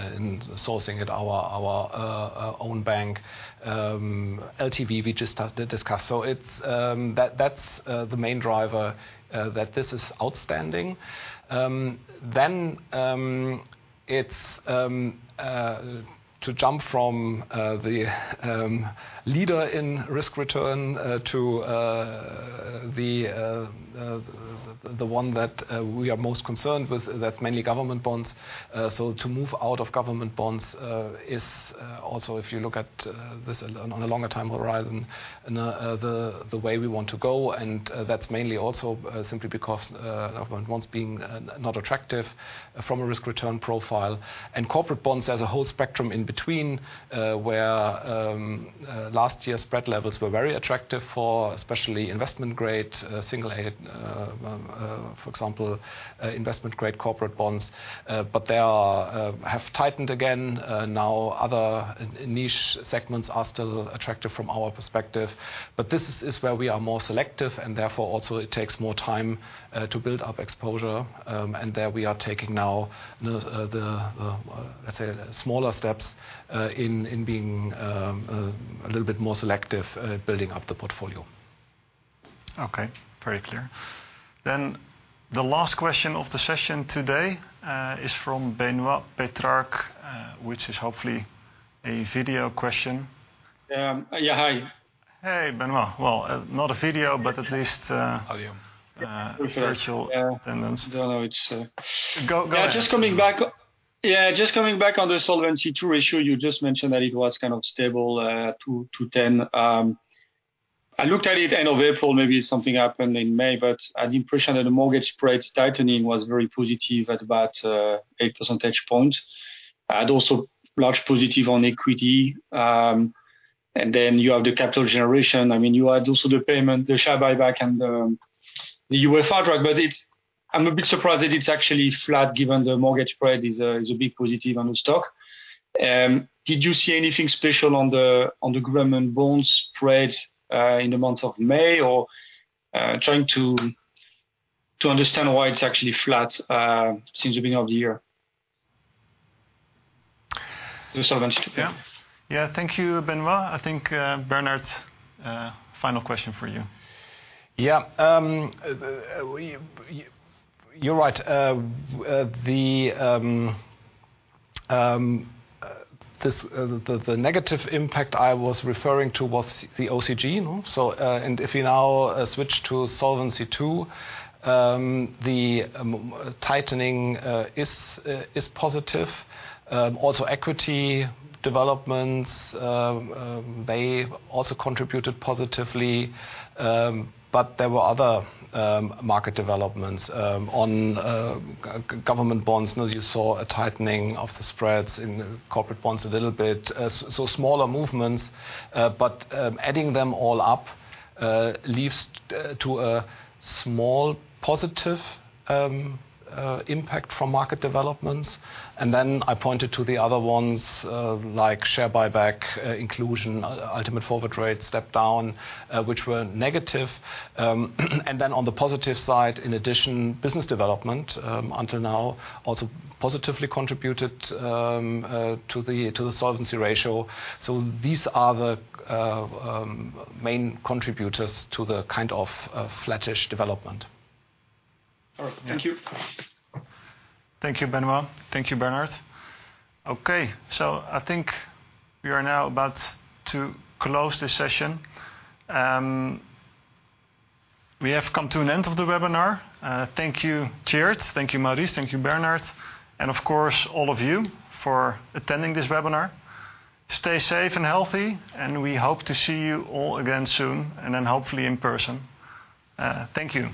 sourcing at our own bank, LTV, we just discussed. That's the main driver that this is outstanding. To jump from the leader in risk return to the one that we are most concerned with, that many government bonds. To move out of government bonds is also, if you look at this on a longer time horizon, the way we want to go, and that's mainly also simply because bonds being not attractive from a risk-return profile. Corporate bonds, there's a whole spectrum in between, where last year's spread levels were very attractive for especially investment-grade, single A, for example, investment-grade corporate bonds. They have tightened again. Other niche segments are still attractive from our perspective. This is where we are more selective, and therefore, also it takes more time to build up exposure. There we are taking now the smaller steps in being a little bit more selective, building up the portfolio.
Okay. Very clear. The last question of the session today is from Benoît Pétrarque, which is hopefully a video question.
Yeah. Hi.
Hey, Benoît. Not a video, but at least-
Oh, yeah.
Virtual attendance.
Yeah. No, it's-
Go ahead.
Just coming back on the Solvency II ratio, you just mentioned that it was kind of stable, 2%-10%. I looked at it end of April, maybe something happened in May, but I had the impression that the mortgage spreads tightening was very positive at about eight percentage points, and also large positive on equity. You have the capital generation. You had also the payment, the share buyback and the UFR drag. I'm a bit surprised that it's actually flat given the mortgage spread is a big positive on the stock. Did you see anything special on the government bonds spread in the month of May, or trying to understand why it's actually flat since the beginning of the year? The Solvency II.
Yeah. Thank you, Benoît. I think, Bernhard, final question for you.
Yeah. You're right. The negative impact I was referring to was the OCG. If you now switch to Solvency II, the tightening is positive. Also equity developments, they also contributed positively. There were other market developments on government bonds. As you saw, a tightening of the spreads in corporate bonds a little bit. Smaller movements, but adding them all up leads to a small positive impact from market developments. Then I pointed to the other ones, like share buyback inclusion, ultimate forward rate step down, which were negative. Then on the positive side, in addition, business development until now also positively contributed to the solvency ratio. These are the main contributors to the kind of flattish development.
Thank you.
Thank you, Benoît. Thank you, Bernhard. I think we are now about to close this session. We have come to an end of the webinar. Thank you, Tjeerd. Thank you, Maurice. Thank you, Bernhard. Of course, all of you for attending this webinar. Stay safe and healthy, and we hope to see you all again soon, and then hopefully in person. Thank you.